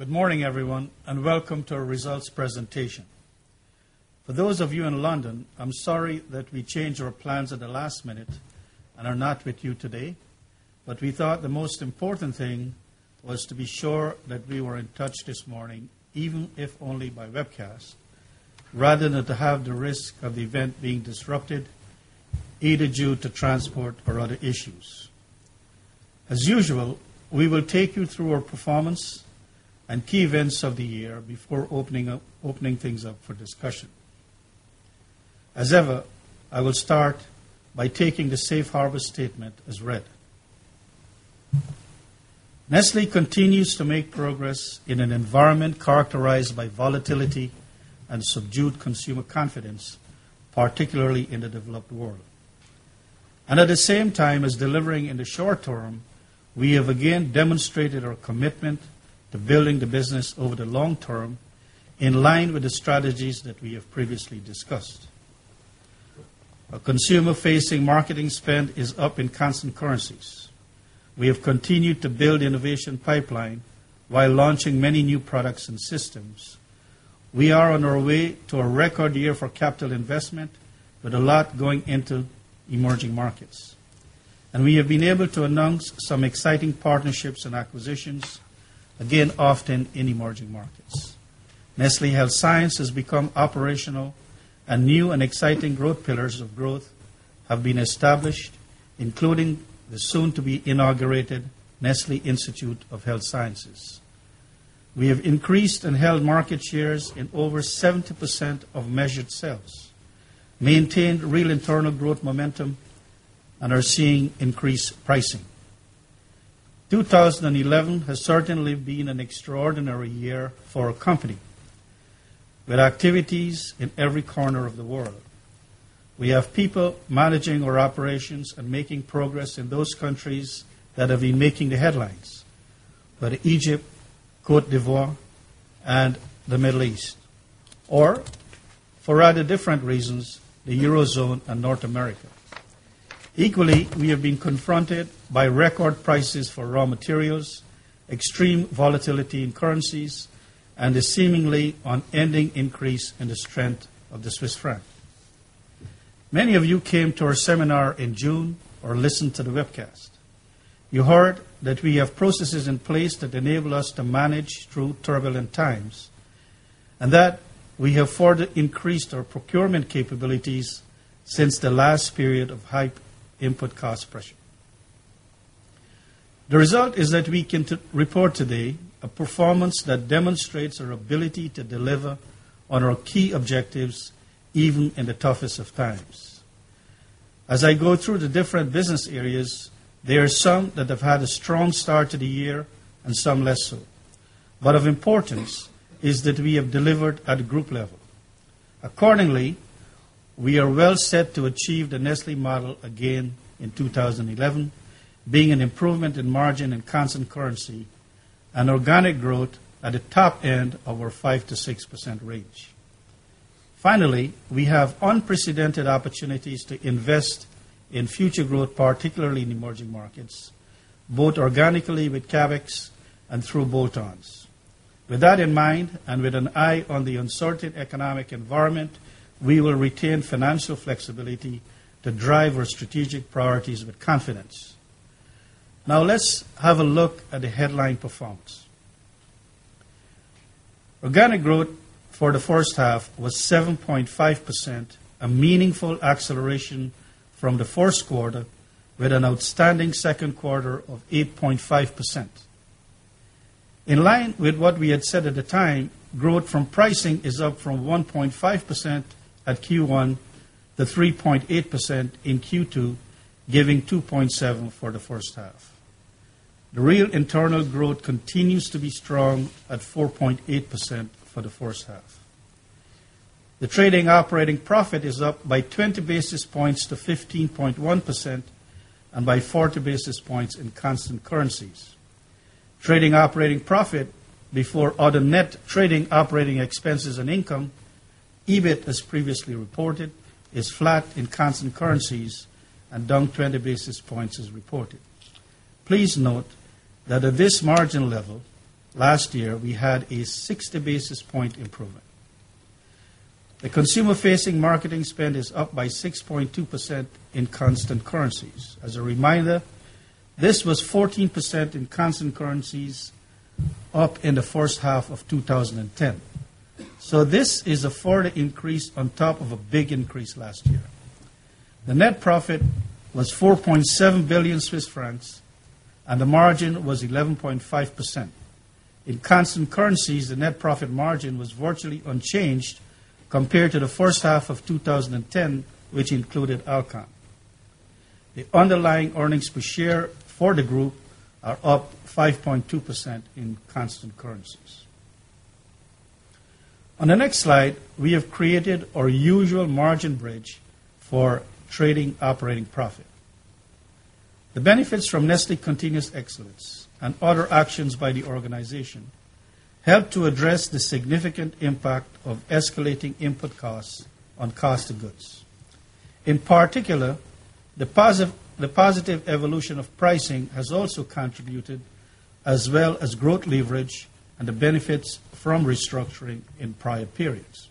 Good morning, everyone, and welcome to our results presentation. For those of you in London, I'm sorry that we changed our plans at the last minute and are not with you today, but we thought the most important thing was to be sure that we were in touch this morning, even if only by webcast, rather than to have the risk of the event being disrupted either due to transport or other issues. As usual, we will take you through our performance and key events of the year before opening things up for discussion. As ever, I will start by taking the safe harbor statement as read. Nestlé continues to make progress in an environment characterized by volatility and subdued consumer confidence, particularly in the developed world. At the same time as delivering in the short term, we have again demonstrated our commitment to building the business over the long term in line with the strategies that we have previously discussed. Our consumer-facing marketing spend is up in constant currencies. We have continued to build the innovation pipeline while launching many new products and systems. We are on our way to a record year for capital investment, with a lot going into emerging markets. We have been able to announce some exciting partnerships and acquisitions, again, often in emerging markets. Nestlé Health Science has become operational, and new and exciting pillars of growth have been established, including the soon-to-be inaugurated Nestlé Institute of Health Sciences. We have increased and held market shares in over 70% of measured sales, maintained real internal growth momentum, and are seeing increased pricing. 2011 has certainly been an extraordinary year for our company, with activities in every corner of the world. We have people managing our operations and making progress in those countries that have been making the headlines, like Egypt, Côte d'Ivoire, and the Middle East, or for rather different reasons, the Eurozone and North America. Equally, we have been confronted by record prices for raw materials, extreme volatility in currencies, and a seemingly unending increase in the strength of the Swiss franc. Many of you came to our seminar in June or listened to the webcast. You heard that we have processes in place that enable us to manage through turbulent times and that we have further increased our procurement capabilities since the last period of high input cost pressure. The result is that we can report today a performance that demonstrates our ability to deliver on our key objectives, even in the toughest of times. As I go through the different business areas, there are some that have had a strong start to the year and some less so. Of importance is that we have delivered at a group level. Accordingly, we are well set to achieve the Nestlé model again in 2011, being an improvement in margin in constant currency and organic growth at the top end of our 5%-6% range. Finally, we have unprecedented opportunities to invest in future growth, particularly in emerging markets, both organically with CapEx and through BOTONs. With that in mind and with an eye on the uncertain economic environment, we will retain financial flexibility to drive our strategic priorities with confidence. Now, let's have a look at the headline performance. Organic growth for the first half was 7.5%, a meaningful acceleration from the first quarter, with an outstanding second quarter of 8.5%. In line with what we had said at the time, growth from pricing is up from 1.5% at Q1 to 3.8% in Q2, giving 2.7% for the first half. The real internal growth continues to be strong at 4.8% for the first half. The trading operating profit is up by 20 basis points to 15.1% and by 40 basis points in constant currencies. Trading operating profit before other net trading operating expenses and income, EBIT as previously reported, is flat in constant currencies and down 20 basis points as reported. Please note that at this margin level, last year, we had a 60 basis point improvement. The consumer-facing marketing spend is up by 6.2% in constant currencies. As a reminder, this was 14% in constant currencies up in the first half of 2010. This is a further increase on top of a big increase last year. The net profit was 4.7 billion Swiss francs, and the margin was 11.5%. In constant currencies, the net profit margin was virtually unchanged compared to the first half of 2010, which included Alcon. The underlying earnings per share for the group are up 5.2% in constant currencies. On the next slide, we have created our usual margin bridge for trading operating profit. The benefits from Nestlé's continuous excellence and other actions by the organization help to address the significant impact of escalating input costs on cost of goods. In particular, the positive evolution of pricing has also contributed, as well as growth leverage and the benefits from restructuring in prior periods.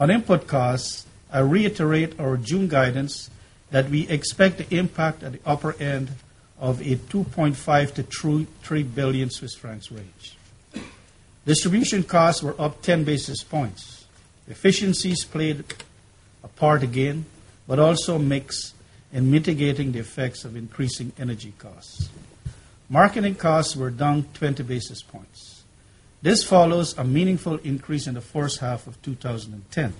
On input costs, I reiterate our June guidance that we expect the impact at the upper end of a 2.5 billion-3.3 billion Swiss francs range. Distribution costs were up 10 basis points. Efficiencies played a part again, but also mix in mitigating the effects of increasing energy costs. Marketing costs were down 20 basis points. This follows a meaningful increase in the first half of 2010.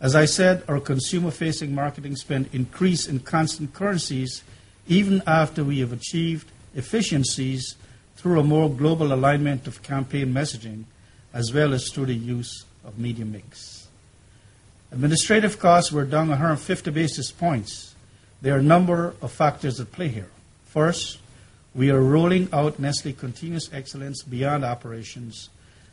As I said, our consumer-facing marketing spend increased in constant currencies even after we have achieved efficiencies through a more global alignment of campaign messaging, as well as through the use of media mix. Administrative costs were down 150 basis points. There are a number of factors at play here. First, we are rolling out Nestlé's continuous excellence beyond operations,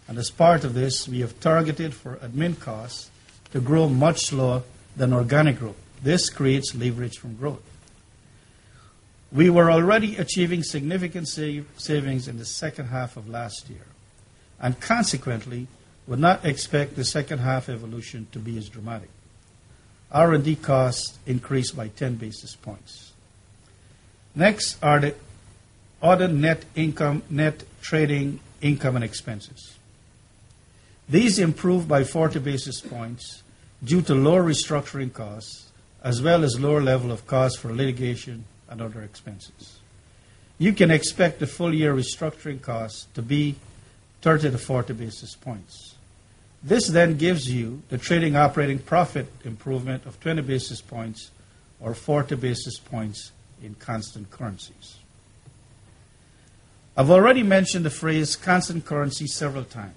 and as part of this, we have targeted for admin costs to grow much slower than organic growth. This creates leverage from growth. We were already achieving significant savings in the second half of last year, and consequently, we would not expect the second half evolution to be as dramatic. R&D costs increased by 10 basis points. Next are the other net income, net trading income and expenses. These improved by 40 basis points due to lower restructuring costs, as well as a lower level of cost for litigation and other expenses. You can expect the full-year restructuring costs to be 30-40 basis points. This then gives you the trading operating profit improvement of 20 basis points or 40 basis points in constant currencies. I've already mentioned the phrase constant currency several times.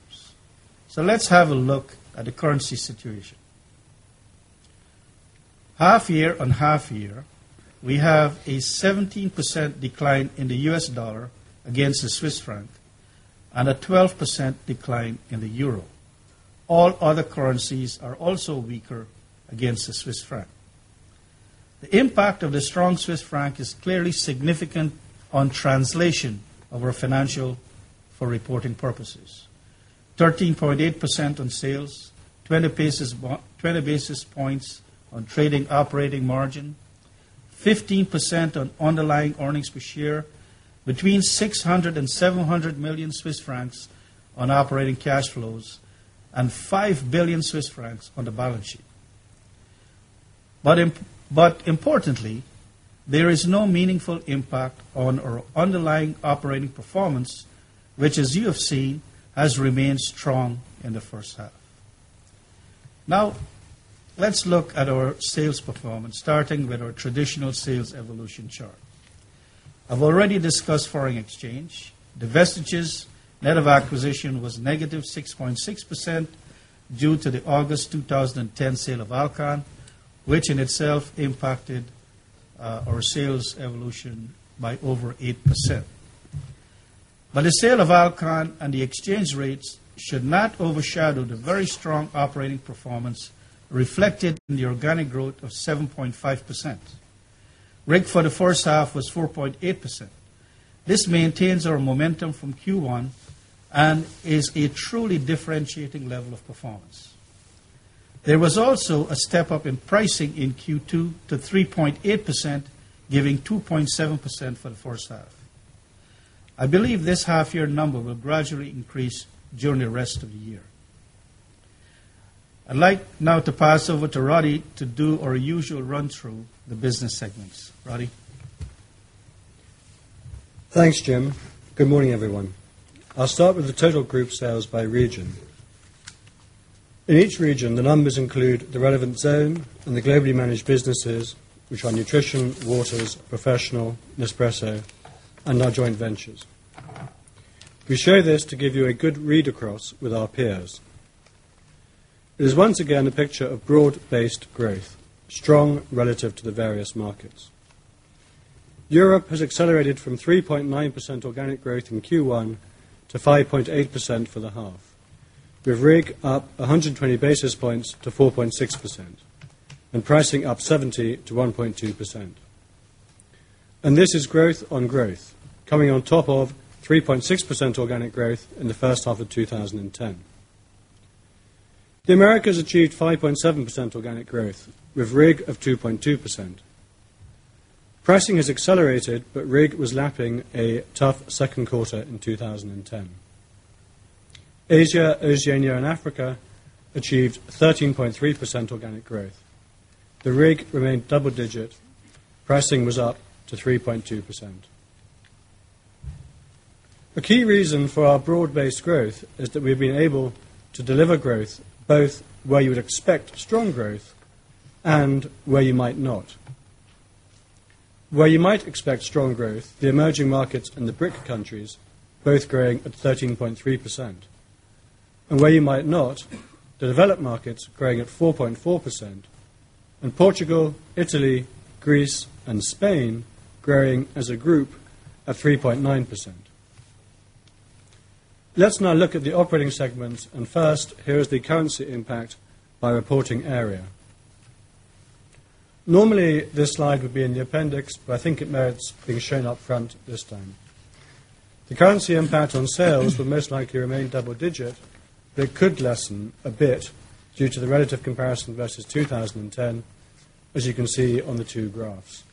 Let's have a look at the currency situation. Half year on half year, we have a 17% decline in the U.S. dollar against the Swiss franc and a 12% decline in the euro. All other currencies are also weaker against the Swiss franc. The impact of the strong Swiss franc is clearly significant on translation of our financials for reporting purposes: 13.8% on sales, 20 basis points on trading operating margin, 15% on underlying earnings per share, between 600 million Swiss francs and 700 million Swiss francs on operating cash flows, and 5 billion Swiss francs on the balance sheet. Importantly, there is no meaningful impact on our underlying operating performance, which, as you have seen, has remained strong in the first half. Now, let's look at our sales performance, starting with our traditional sales evolution chart. I've already discussed foreign exchange. The vestiges net of acquisition was negative 6.6% due to the August 2010 sale of Alcon, which in itself impacted our sales evolution by over 8%. The sale of Alcon and the exchange rates should not overshadow the very strong operating performance reflected in the organic growth of 7.5%. ROIC for the first half was 4.8%. This maintains our momentum from Q1 and is a truly differentiating level of performance. There was also a step up in pricing in Q2 to 3.8%, giving 2.7% for the first half. I believe this half-year number will gradually increase during the rest of the year. I'd like now to pass over to Roddy to do our usual run-through of the business segments. Roddy? Thanks, Jim. Good morning, everyone. I'll start with the total group sales by region. In each region, the numbers include the relevant zone and the globally managed businesses, which are nutrition, waters, professional, Nespresso, and our joint ventures. We show this to give you a good read across with our peers. It is once again a picture of broad-based growth, strong relative to the various markets. Europe has accelerated from 3.9% organic growth in Q1 to 5.8% for the half, with ROIC up 120 basis points to 4.6% and pricing up 70 basis points to 1.2%. This is growth on growth, coming on top of 3.6% organic growth in the first half of 2010. The Americas achieved 5.7% organic growth, with ROIC of 2.2%. Pricing has accelerated, but ROIC was lapping a tough second quarter in 2010. Asia, Oceania, and Africa achieved 13.3% organic growth. The ROIC remained double-digit, and pricing was up to 3.2%. A key reason for our broad-based growth is that we have been able to deliver growth both where you would expect strong growth and where you might not. Where you might expect strong growth, the emerging markets and the BRIC countries both growing at 13.3%. Where you might not, the developed markets growing at 4.4% and Portugal, Italy, Greece, and Spain growing as a group at 3.9%. Let's now look at the operating segments. First, here is the currency impact by reporting area. Normally, this slide would be in the appendix, but I think it merits being shown up front this time. The currency impact on sales will most likely remain double-digit, but it could lessen a bit due to the relative comparison versus 2010, as you can see on the two graphs.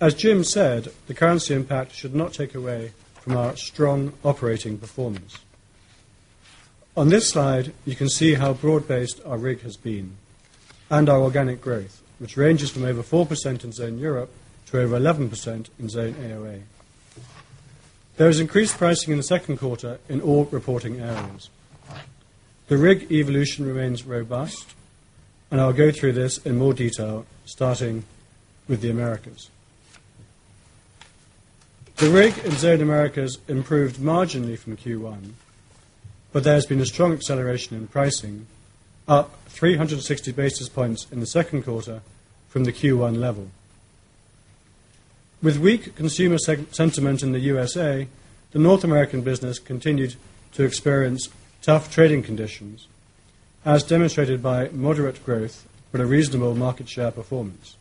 As Jim said, the currency impact should not take away from our strong operating performance. On this slide, you can see how broad-based our ROIC has been and our organic growth, which ranges from over 4% in zone Europe to over 11% in zone AOA. There is increased pricing in the second quarter in all reporting areas. The ROIC evolution remains robust, and I'll go through this in more detail, starting with the Americas. The ROIC in zone Americas improved marginally from Q1, but there's been a strong acceleration in pricing, up 360 basis points in the second quarter from the Q1 level. With weak consumer sentiment in the U.S.A., the North American business continued to experience tough trading conditions, as demonstrated by moderate growth but a reasonable market share performance.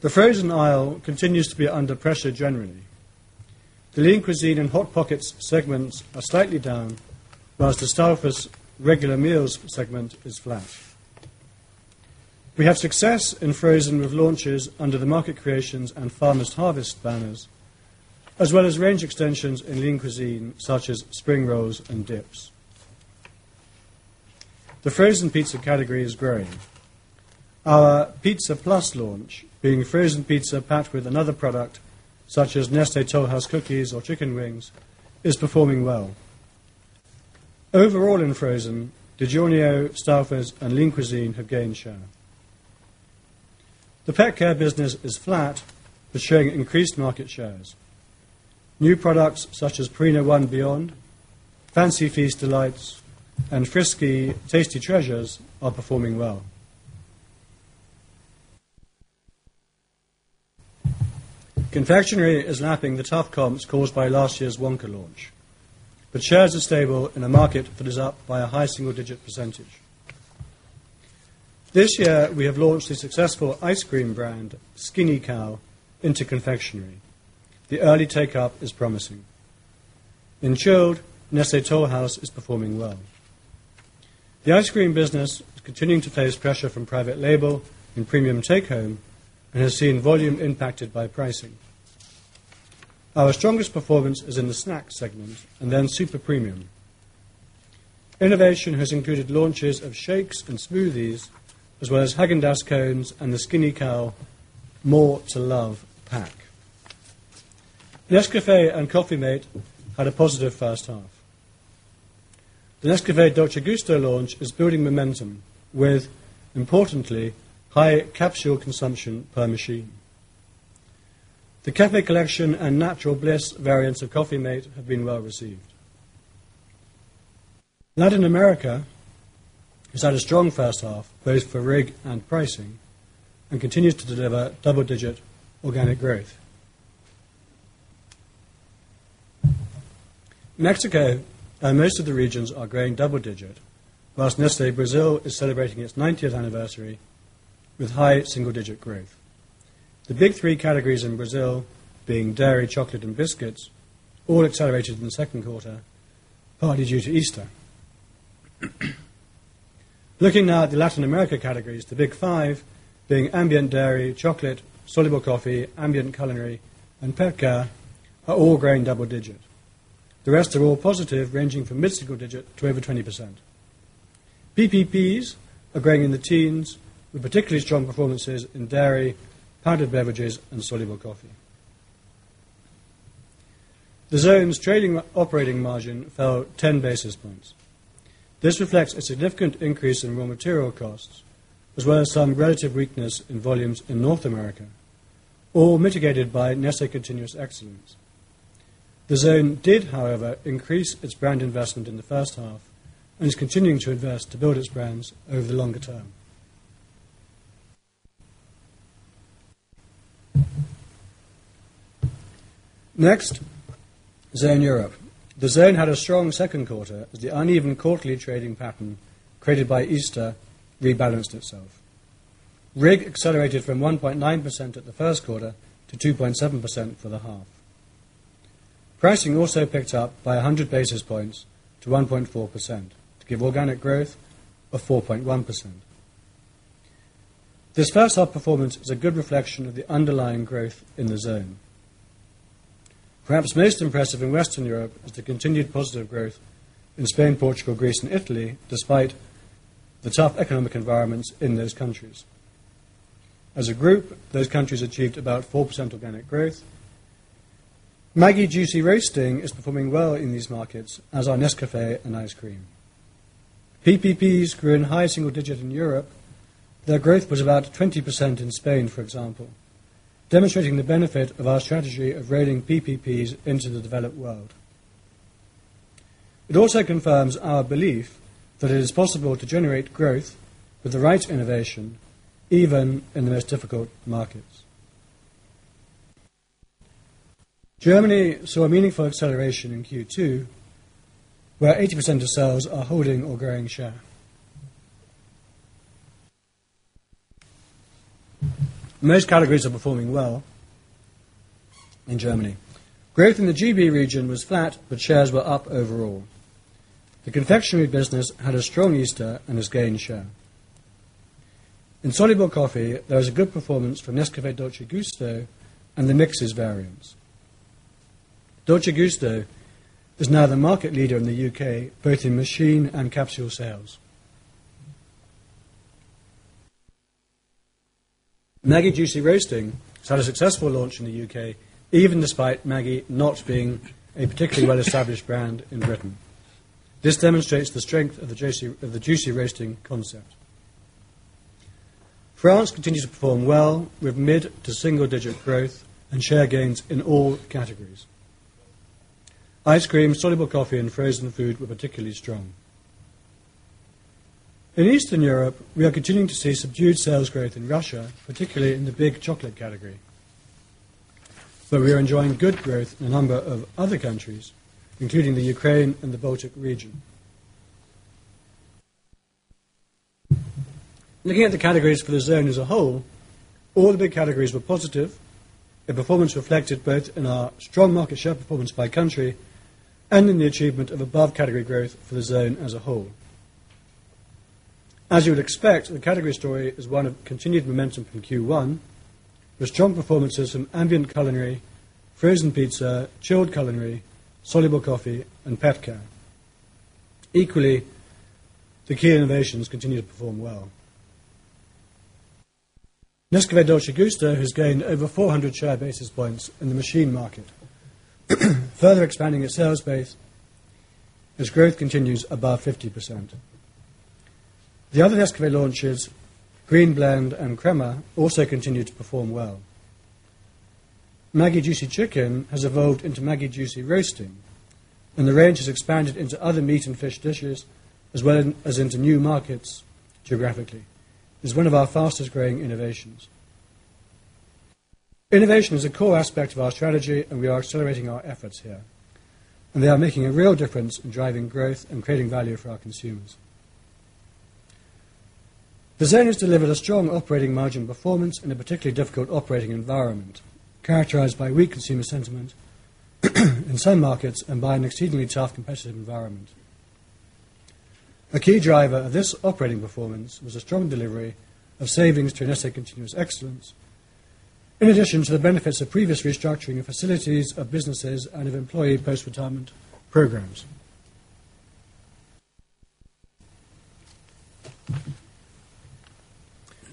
The frozen aisle continues to be under pressure generally. The Lean Cuisine and Hot Pockets segments are slightly down, whilst the starters, regular meals segment is flat. We have success in frozen with launches under the Market Creations and Farmers' Harvest banners, as well as range extensions in Lean Cuisine such as spring rolls and dips. The frozen pizza category is growing. Our Pizza plus launch, being a frozen pizza packed with another product such as Nestlé Toll House cookies or chicken wings, is performing well. Overall, in frozen, DiGiorno, Stouffer, and Lean Cuisine have gained share. The PetCare business is flat but showing increased market shares. New products such as Purina One Beyond, Fancy Feast Delights, and Friskies Tasty Treasures are performing well. Confectionery is lapping the tough comps caused by last year's Wonka launch, but shares are stable in a market that is up by a high single-digit percentage. This year, we have launched a successful ice cream brand, Skinny Cow, into confectionery. The early take-up is promising. In chilled, Nestlé Toll House is performing well. The ice cream business is continuing to face pressure from private label and premium take-home and has seen volume impacted by pricing. Our strongest performance is in the snack segments and then super premium. Innovation has included launches of shakes and smoothies, as well as Häagen-Dazs cones and the Skinny Cow More to Love pack. Nescafé and Coffee mate had a positive first half. The Nescafé Dolce Gusto launch is building momentum with, importantly, high capsule consumption per machine. The Café Collection and Natural Bliss variants of Coffee mate have been well received. Latin America has had a strong first half, both for ROIC and pricing, and continues to deliver double-digit organic growth. Mexico, though most of the regions are growing double-digit, whilst Nestlé Brazil is celebrating its 90th anniversary with high single-digit growth. The big three categories in Brazil, being dairy, chocolate, and biscuits, all accelerated in the second quarter, partly due to Easter. Looking now at the Latin America categories, the big five, being ambient dairy, chocolate, soluble coffee, ambient culinary, and PetCare, are all growing double-digit. The rest are all positive, ranging from mid-single digit to over 20%. PPPs are growing in the teens with particularly strong performances in dairy, powdered beverages, and soluble coffee. The zone's trading operating margin fell 10 basis points. This reflects a significant increase in raw material costs, as well as some relative weakness in volumes in North America, all mitigated by Nestlé continuous excellence. The zone did, however, increase its brand investment in the first half and is continuing to invest to build its brands over the longer term. Next, zone Europe. The zone had a strong second quarter as the uneven quarterly trading pattern created by Easter rebalanced itself. ROIC accelerated from 1.9% at the first quarter to 2.7% for the half. Pricing also picked up by 100 basis points to 1.4% to give organic growth of 4.1%. This first half performance is a good reflection of the underlying growth in the zone. Perhaps most impressive in Western Europe is the continued positive growth in Spain, Portugal, Greece, and Italy, despite the tough economic environments in those countries. As a group, those countries achieved about 4% organic growth. Maggi Juicy Roasting is performing well in these markets, as are Nescafé and ice cream. PPPs grew in high single digit in Europe; their growth was about 20% in Spain, for example, demonstrating the benefit of our strategy of rolling PPPs into the developed world. It also confirms our belief that it is possible to generate growth with the right innovation, even in the most difficult markets. Germany saw a meaningful acceleration in Q2, where 80% of sales are holding or growing share. Most categories are performing well in Germany. Growth in the GB region was flat, but shares were up overall. The confectionery business had a strong Easter and has gained share. In soluble coffee, there was a good performance from Nescafé Dolce Gusto and the mixes variants. Nescafé Dolce Gusto is now the market leader in the U.K,, both in machine and capsule sales. Maggi Juicy Roasting has had a successful launch in the U.K., even despite Maggi not being a particularly well-established brand in Britain. This demonstrates the strength of the Juicy Roasting concept. France continues to perform well with mid to single-digit growth and share gains in all categories. Ice cream, soluble coffee, and frozen food were particularly strong. In Eastern Europe, we are continuing to see subdued sales growth in Russia, particularly in the big chocolate category. We are enjoying good growth in a number of other countries, including the Ukraine and the Baltic region. Looking at the categories for the zone as a whole, all the big categories were positive, a performance reflected both in our strong market share performance by country and in the achievement of above-category growth for the zone as a whole. As you would expect, the category story is one of continued momentum from Q1, with strong performances from ambient culinary, frozen pizza, chilled culinary, soluble coffee, and PetCare. Equally, the key innovations continue to perform well. Nescafé Dolce Gusto has gained over 400 basis points in the machine market, further expanding its sales base as growth continues above 50%. The other Nescafé launches, Green Blend and Crema, also continue to perform well. Maggi Juicy Chicken has evolved into Maggi Juicy Roasting, and the range has expanded into other meat and fish dishes, as well as into new markets geographically. It's one of our fastest growing innovations. Innovation is a core aspect of our strategy, and we are accelerating our efforts here. They are making a real difference in driving growth and creating value for our consumers. The zone has delivered a strong operating margin performance in a particularly difficult operating environment, characterized by weak consumer sentiment in some markets and by an exceedingly tough competitive environment. A key driver of this operating performance was a strong delivery of savings to Nestlé Continuous Excellence, in addition to the benefits of previous restructuring of facilities, of businesses, and of employee post-retirement programs.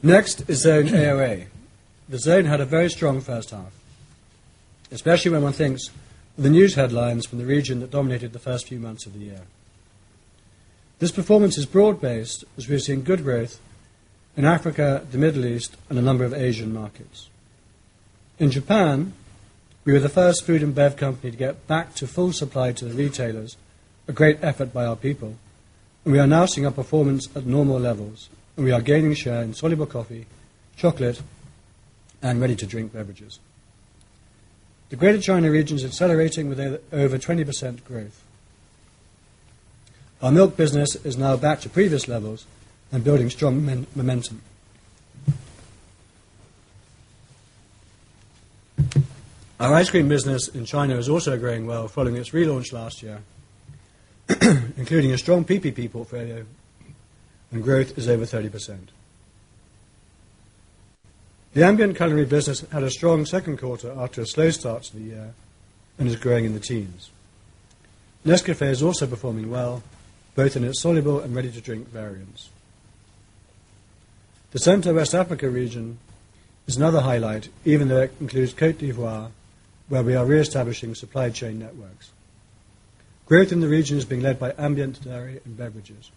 Next is Zone AOA. The zone had a very strong first half, especially when one thinks of the news headlines from the region that dominated the first few months of the year. This performance is broad-based, as we've seen good growth in Africa, the Middle East, and a number of Asian markets. In Japan, we were the first food and beverage company to get back to full supply to the retailers, a great effort by our people. We are now seeing our performance at normal levels, and we are gaining share in soluble coffee, chocolate, and ready-to-drink beverages. The Greater China region is accelerating with over 20% growth. Our milk business is now back to previous levels and building strong momentum. Our ice cream business in China is also growing well, following its relaunch last year, including a strong PPP portfolio, and growth is over 30%. The ambient culinary business had a strong second quarter after a slow start to the year and is growing in the teens. Nescafé is also performing well, both in its soluble and ready-to-drink variants. The Central West Africa region is another highlight, even though it includes Côte d'Ivoire, where we are reestablishing supply chain networks. Growth in the region is being led by ambient dairy and beverages.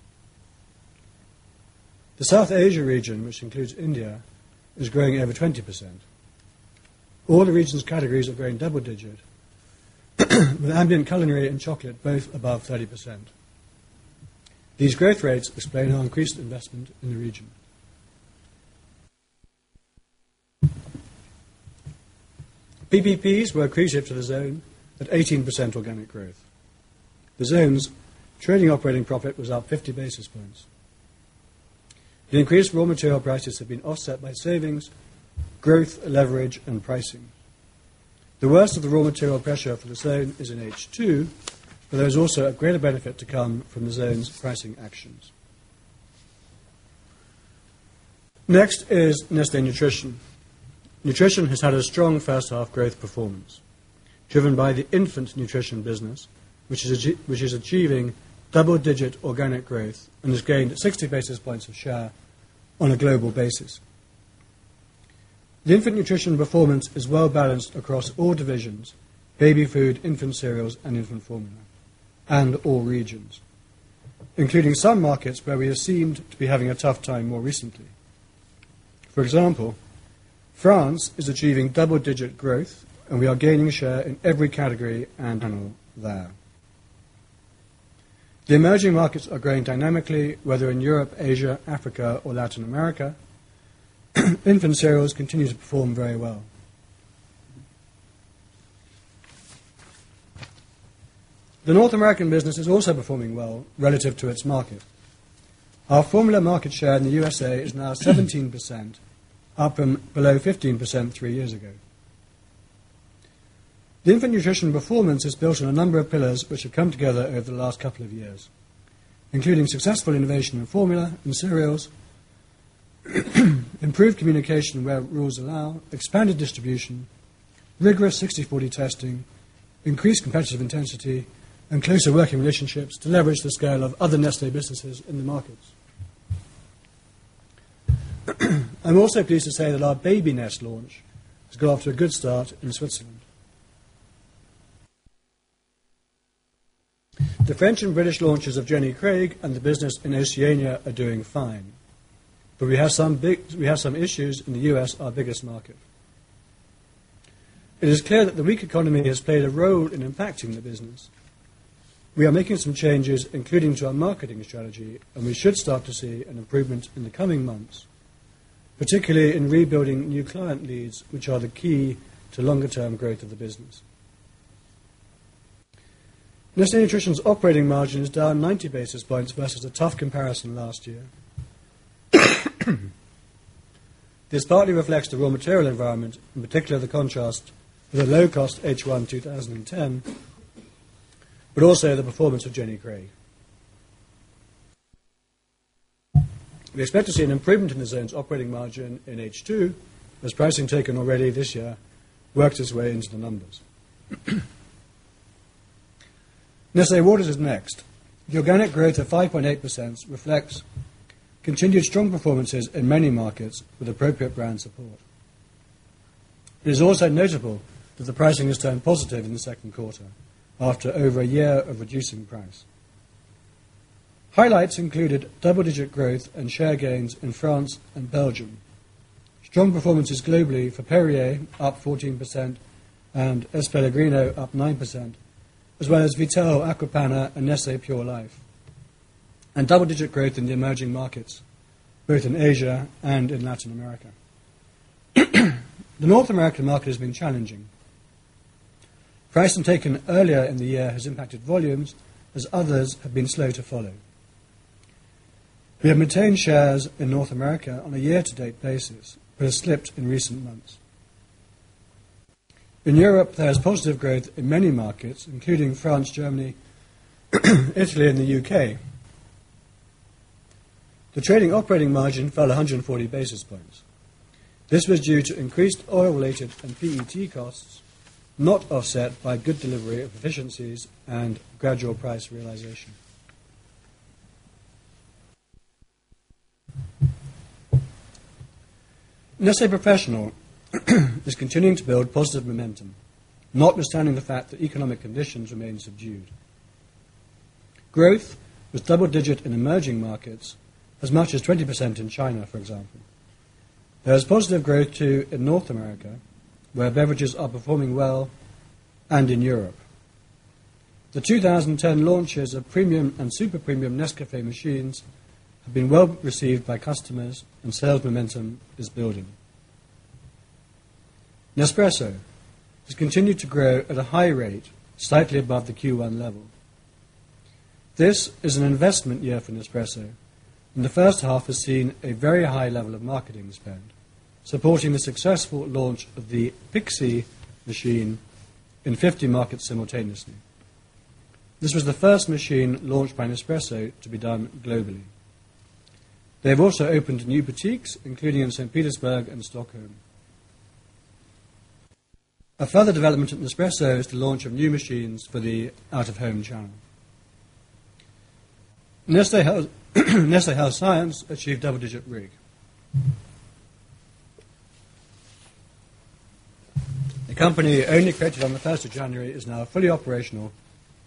The South Asia region, which includes India, is growing over 20%. All the region's categories are growing double-digit, with ambient culinary and chocolate both above 30%. These growth rates explain our increased investment in the region. PPPs were crucial to the zone at 18% organic growth. The zone's trading operating profit was up 50 basis points. The increased raw material prices have been offset by savings, growth, leverage, and pricing. The worst of the raw material pressure for the zone is in H2, but there is also a greater benefit to come from the zone's pricing actions. Next is Nestlé Nutrition. Nutrition has had a strong first half growth performance, driven by the infant nutrition business, which is achieving double-digit organic growth and has gained 60 basis points of share on a global basis. The infant nutrition performance is well balanced across all divisions, baby food, infant cereals, and infant formula, and all regions, including some markets where we are seemed to be having a tough time more recently. For example, France is achieving double-digit growth, and we are gaining share in every category and channel there. The emerging markets are growing dynamically, whether in Europe, Asia, Africa, or Latin America. Infant cereals continue to perform very well. The North American business is also performing well relative to its market. Our formula market share in the U.S.A. is now 17%, up from below 15% three years ago. The infant nutrition performance is built on a number of pillars which have come together over the last couple of years, including successful innovation in formula and cereals, improved communication where rules allow, expanded distribution, rigoros 60-40 testing, increased competitive intensity, and closer working relationships to leverage the scale of other Nestlé businesses in the markets. I'm also pleased to say that our baby nest launch has got off to a good start in Switzerland. The French and British launches of Jenny Craig and the business in Oceania are doing fine, but we have some issues in the U.S., our biggest market. It is clear that the weak economy has played a role in impacting the business. We are making some changes, including to our marketing strategy, and we should start to see an improvement in the coming months, particularly in rebuilding new client leads, which are the key to longer-term growth of the business. Nestlé Nutrition's operating margin is down 90 basis points versus a tough comparison last year. This partly reflects the raw material environment, in particular the contrast of a low-cost H1 2010, but also the performance of Jenny Craig. We expect to see an improvement in the zone's operating margin in H2, as pricing taken already this year works its way into the numbers. Nestlé Waters is next. The organic growth of 5.8% reflects continued strong performances in many markets with appropriate brand support. It is also notable that the pricing has turned positive in the second quarter after over a year of reducing price. Highlights included double-digit growth and share gains in France and Belgium, strong performances globally for Perrier up 14% and S. Pellegrino up 9%, as well as Vittel, Acqua Panna, and Nestlé Pure Life, and double-digit growth in the emerging markets, both in Asia and in Latin America. The North American market has been challenging. Pricing taken earlier in the year has impacted volumes, as others have been slow to follow. We have maintained shares in North America on a year-to-date basis, but have slipped in recent months. In Europe, there's positive growth in many markets, including France, Germany, Italy, and the U.K. The trading operating margin fell 140 basis points. This was due to increased oil-related and PET costs, not offset by good delivery of efficiencies and gradual price realization. Nestlé Professional is continuing to build positive momentum, notwithstanding the fact that economic conditions remain subdued. Growth was double-digit in emerging markets, as much as 20% in China, for example. There's positive growth, too, in North America, where beverages are performing well, and in Europe. The 2010 launches of premium and super premium Nescafé machines have been well received by customers, and sales momentum is building. Nespresso has continued to grow at a high rate, slightly above the Q1 level. This is an investment year for Nespresso, and the first half has seen a very high level of marketing spend, supporting the successful launch of the Pixie machine in 50 markets simultaneously. This was the first machine launched by Nespresso to be done globally. They've also opened new boutiques, including in St. Petersburg and Stockholm. A further development of Nespresso is the launch of new machines for the out-of-home channel. Nestlé Health Science achieved double-digit ROIC. A company only created on the 1st of January is now fully operational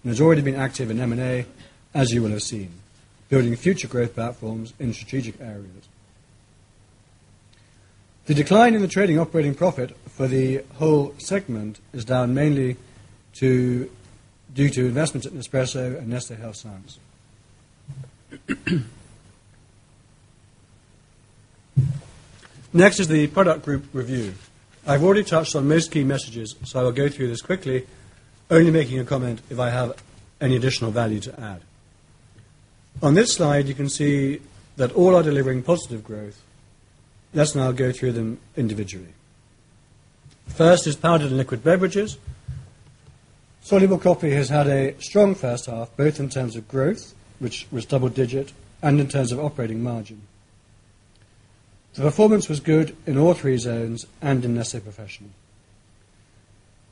and has already been active in M&A, as you will have seen, building future growth platforms in strategic areas. The decline in the trading operating profit for the whole segment is down mainly due to investments at Nespresso and Nestlé Health Science. Next is the product group review. I've already touched on most key messages, so I will go through this quickly, only making a comment if I have any additional value to add. On this slide, you can see that all are delivering positive growth. Let's now go through them individually. First is powdered and liquid beverages. Soluble coffee has had a strong first half, both in terms of growth, which was double-digit, and in terms of operating margin. The performance was good in all three zones and in Nestlé Professional.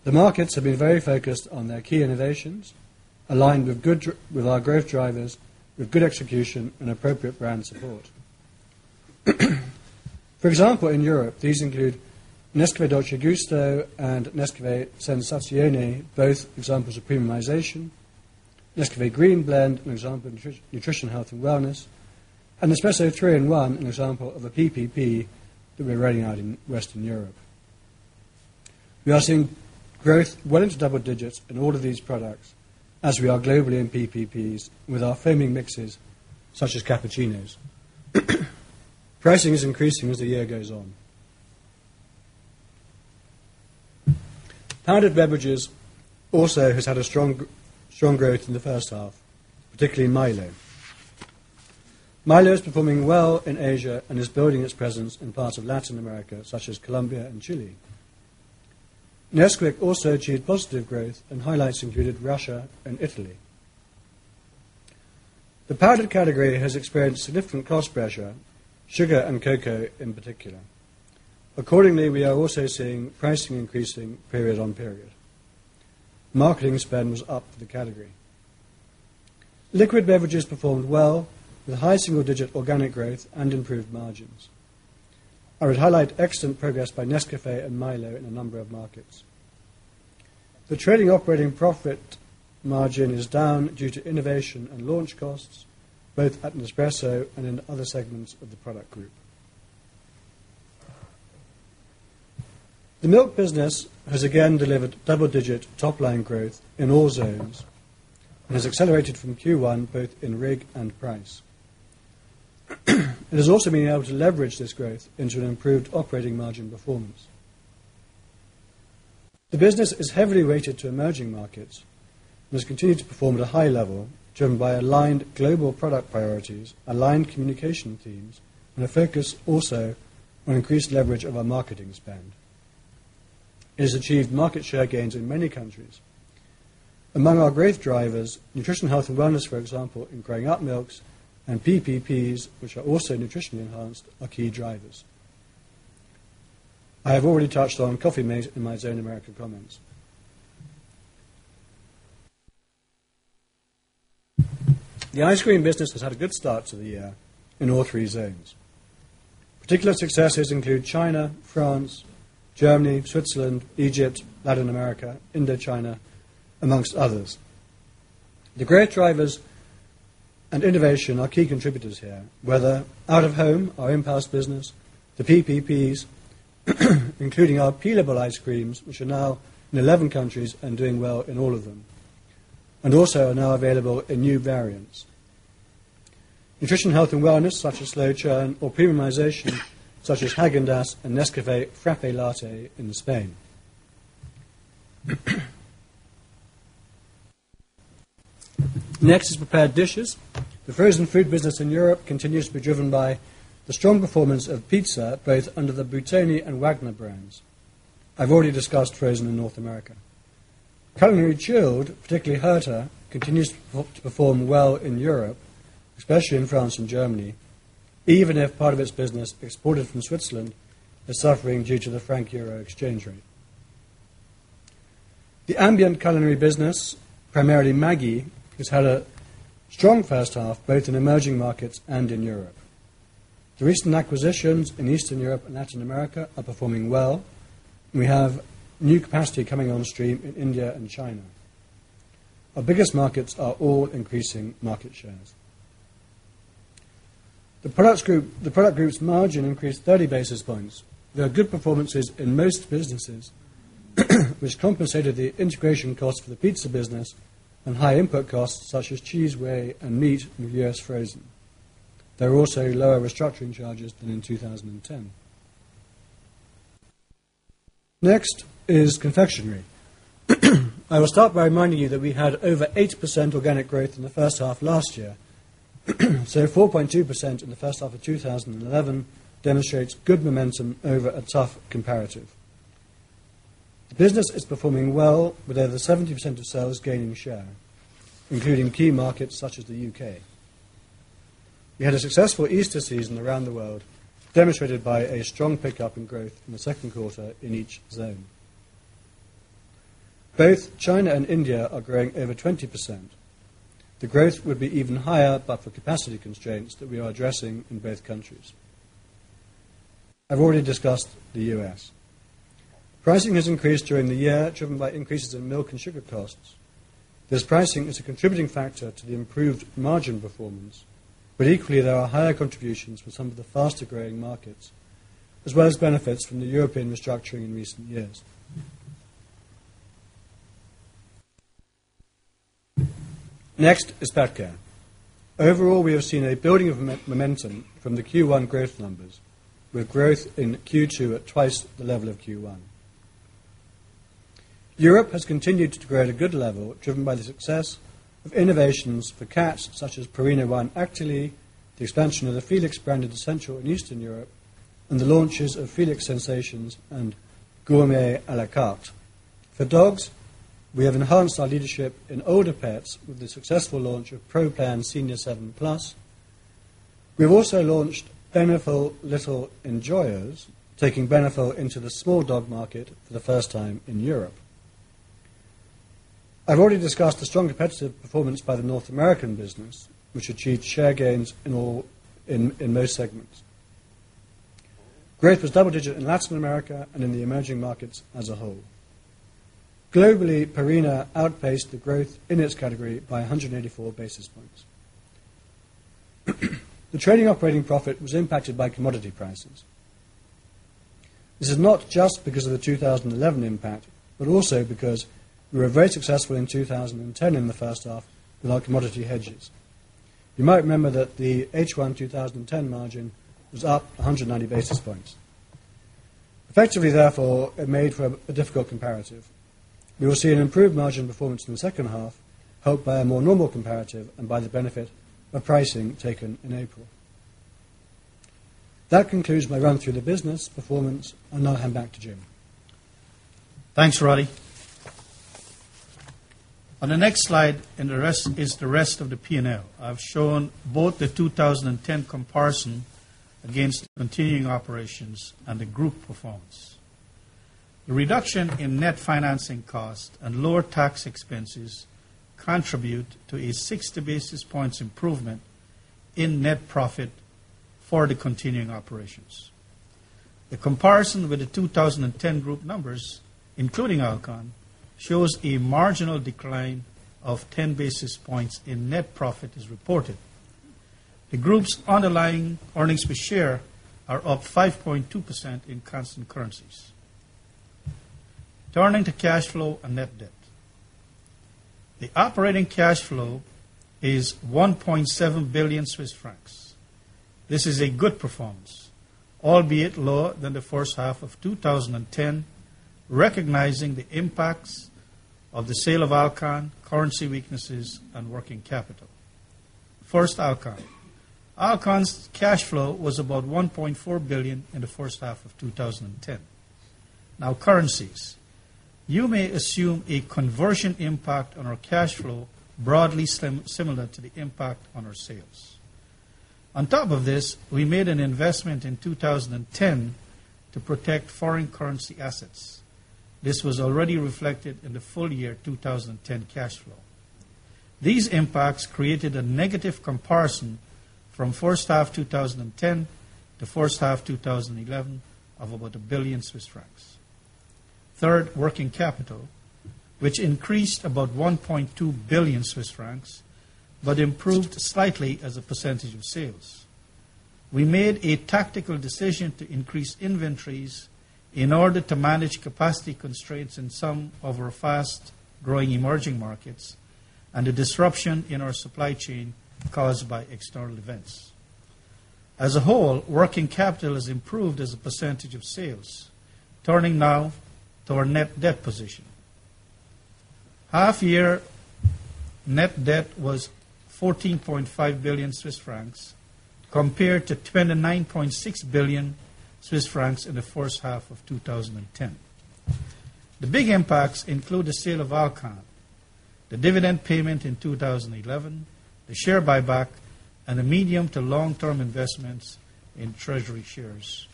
The markets have been very focused on their key innovations, aligned with our growth drivers, with good execution, and appropriate brand support. For example, in Europe, these include Nescafé Dolce Gusto and Nescafé Sensazione, both examples of premiumization, Nescafé Green Blend, an example of nutrition health and wellness, and Nespresso 3-in-1, an example of a PPP that we're rolling out in Western Europe. We are seeing growth well into double digits in all of these products, as we are globally in PPPs with our flavoring mixes, such as cappuccinos. Pricing is increasing as the year goes on. Powdered beverages also have had a strong growth in the first half, particularly Milo. Milo is performing well in Asia and is building its presence in parts of Latin America, such as Colombia and Chile. Nesquik also achieved positive growth, and highlights included Russia and Italy. The powdered category has experienced significant cost pressure, sugar and cocoa in particular. Accordingly, we are also seeing pricing increasing period on period. Marketing spend was up for the category. Liquid beverages performed well, with high single-digit organic growth and improved margins. I would highlight excellent progress by Nescafé and Milo in a number of markets. The trading operating profit margin is down due to innovation and launch costs, both at Nespresso and in other segments of the product group. The milk business has again delivered double-digit top-line growth in all zones and has accelerated from Q1 both in ROIC and price. It has also been able to leverage this growth into an improved operating margin performance. The business is heavily weighted to emerging markets and has continued to perform at a high level, driven by aligned global product priorities, aligned communication teams, and a focus also on increased leverage of our marketing spend. It has achieved market share gains in many countries. Among our growth drivers, nutrition health and wellness, for example, in growing up milks and PPPs, which are also nutritionally enhanced, are key drivers. I have already touched on Coffee mate in my Zone America comments. The ice cream business has had a good start to the year in all three zones. Particular successes include China, France, Germany, Switzerland, Egypt, Latin America, Indo-China, amongst others. The growth drivers and innovation are key contributors here, whether out of home or in-house business, the PPPs, including our peel-able ice creams, which are now in 11 countries and doing well in all of them, and also are now available in new variants. Nutrition health and wellness, such as Slow Churn, or premiumization, such as Häagen-Dazs and Nescafé Frappé Latte in Spain. Next is prepared dishes. The frozen food business in Europe continues to be driven by the strong performance of pizza, both under the Buitoni and Wagner brands. I've already discussed frozen in North America. Culinary chilled, particularly Herta, continues to perform well in Europe, especially in France and Germany, even if part of its business exported from Switzerland is suffering due to the franc euro exchange rate. The ambient culinary business, primarily Maggi, has had a strong first half both in emerging markets and in Europe. The recent acquisitions in Eastern Europe and Latin America are performing well, and we have new capacity coming on stream in India and China. Our biggest markets are all increasing market shares. The product group's margin increased 30 basis points. There are good performances in most businesses, which compensated the integration costs for the pizza business and high input costs such as cheese, whey, and meat in the U.S. frozen. There are also lower restructuring charges than in 2010. Next is confectionery. I will start by reminding you that we had over 8% organic growth in the first half last year, so 4.2% in the first half of 2011 demonstrates good momentum over a tough comparative. The business is performing well with over 70% of sales gaining share, including key markets such as the U.K. We had a successful Easter season around the world, demonstrated by a strong pickup in growth in the second quarter in each zone. Both China and India are growing over 20%. The growth would be even higher but for capacity constraints that we are addressing in both countries. I've already discussed the U.S. Pricing has increased during the year, driven by increases in milk and sugar costs. This pricing is a contributing factor to the improved margin performance, but equally, there are higher contributions for some of the faster growing markets, as well as benefits from the European restructuring in recent years. Next is PetCare. Overall, we have seen a building of momentum from the Q1 growth numbers, with growth in Q2 at twice the level of Q1. Europe has continued to grow at a good level, driven by the success of innovations for cats, such as Purina ONE, actually the expansion of the Felix brand into Central and Eastern Europe, and the launches of Felix Sensations and Gourmet à la Carte. For dogs, we have enhanced our leadership in older pets with the successful launch of Pro Plan Senior 7+. We've also launched Beneful Little Enjoyers, taking Beneful into the small dog market for the first time in Europe. I've already discussed the strong competitive performance by the North American business, which achieved share gains in most segments. Growth was double-digit in Latin America and in the emerging markets as a whole. Globally, Purina outpaced the growth in its category by 184 basis points. The trading operating profit was impacted by commodity prices. This is not just because of the 2011 impact, but also because we were very successful in 2010 in the first half with our commodity hedges. You might remember that the H1 2010 margin was up 190 basis points. Effectively, therefore, it made for a difficult comparative. We will see an improved margin performance in the second half, helped by a more normal comparative and by the benefit of pricing taken in April. That concludes my run-through the business performance, and I'll hand back to Jim. Thanks, Roddy. On the next slide is the rest of the P&L. I've shown both the 2010 comparison against continuing operations and the group performance. The reduction in net financing costs and lower tax expenses contribute to a 60 basis points improvement in net profit for the continuing operations. The comparison with the 2010 group numbers, including Alcon, shows a marginal decline of 10 basis points in net profit is reported. The group's underlying earnings per share are up 5.2% in constant currencies. Turning to cash flow and net debt. The operating cash flow is 1.7 billion Swiss francs. This is a good performance, albeit lower than the first half of 2010, recognizing the impacts of the sale of Alcon, currency weaknesses, and working capital. First, Alcon. Alcon's cash flow was about 1.4 billion in the first half of 2010. Now, currencies. You may assume a conversion impact on our cash flow, broadly similar to the impact on our sales. On top of this, we made an investment in 2010 to protect foreign currency assets. This was already reflected in the full year 2010 cash flow. These impacts created a negative comparison from first half 2010 to first half 2011 of about 1 billion Swiss francs. Third, working capital, which increased about 1.2 billion Swiss francs, but improved slightly as a percentage of sales. We made a tactical decision to increase inventories in order to manage capacity constraints in some of our fast-growing emerging markets and the disruption in our supply chain caused by external events. As a whole, working capital has improved as a percentage of sales, turning now to our net debt position. Half-year net debt was 14.5 billion Swiss francs, compared to 29.6 billion Swiss francs in the first half of 2010. The big impacts include the sale of Alcon, the dividend payment in 2011, the share buyback, and the medium to long-term investments in treasury shares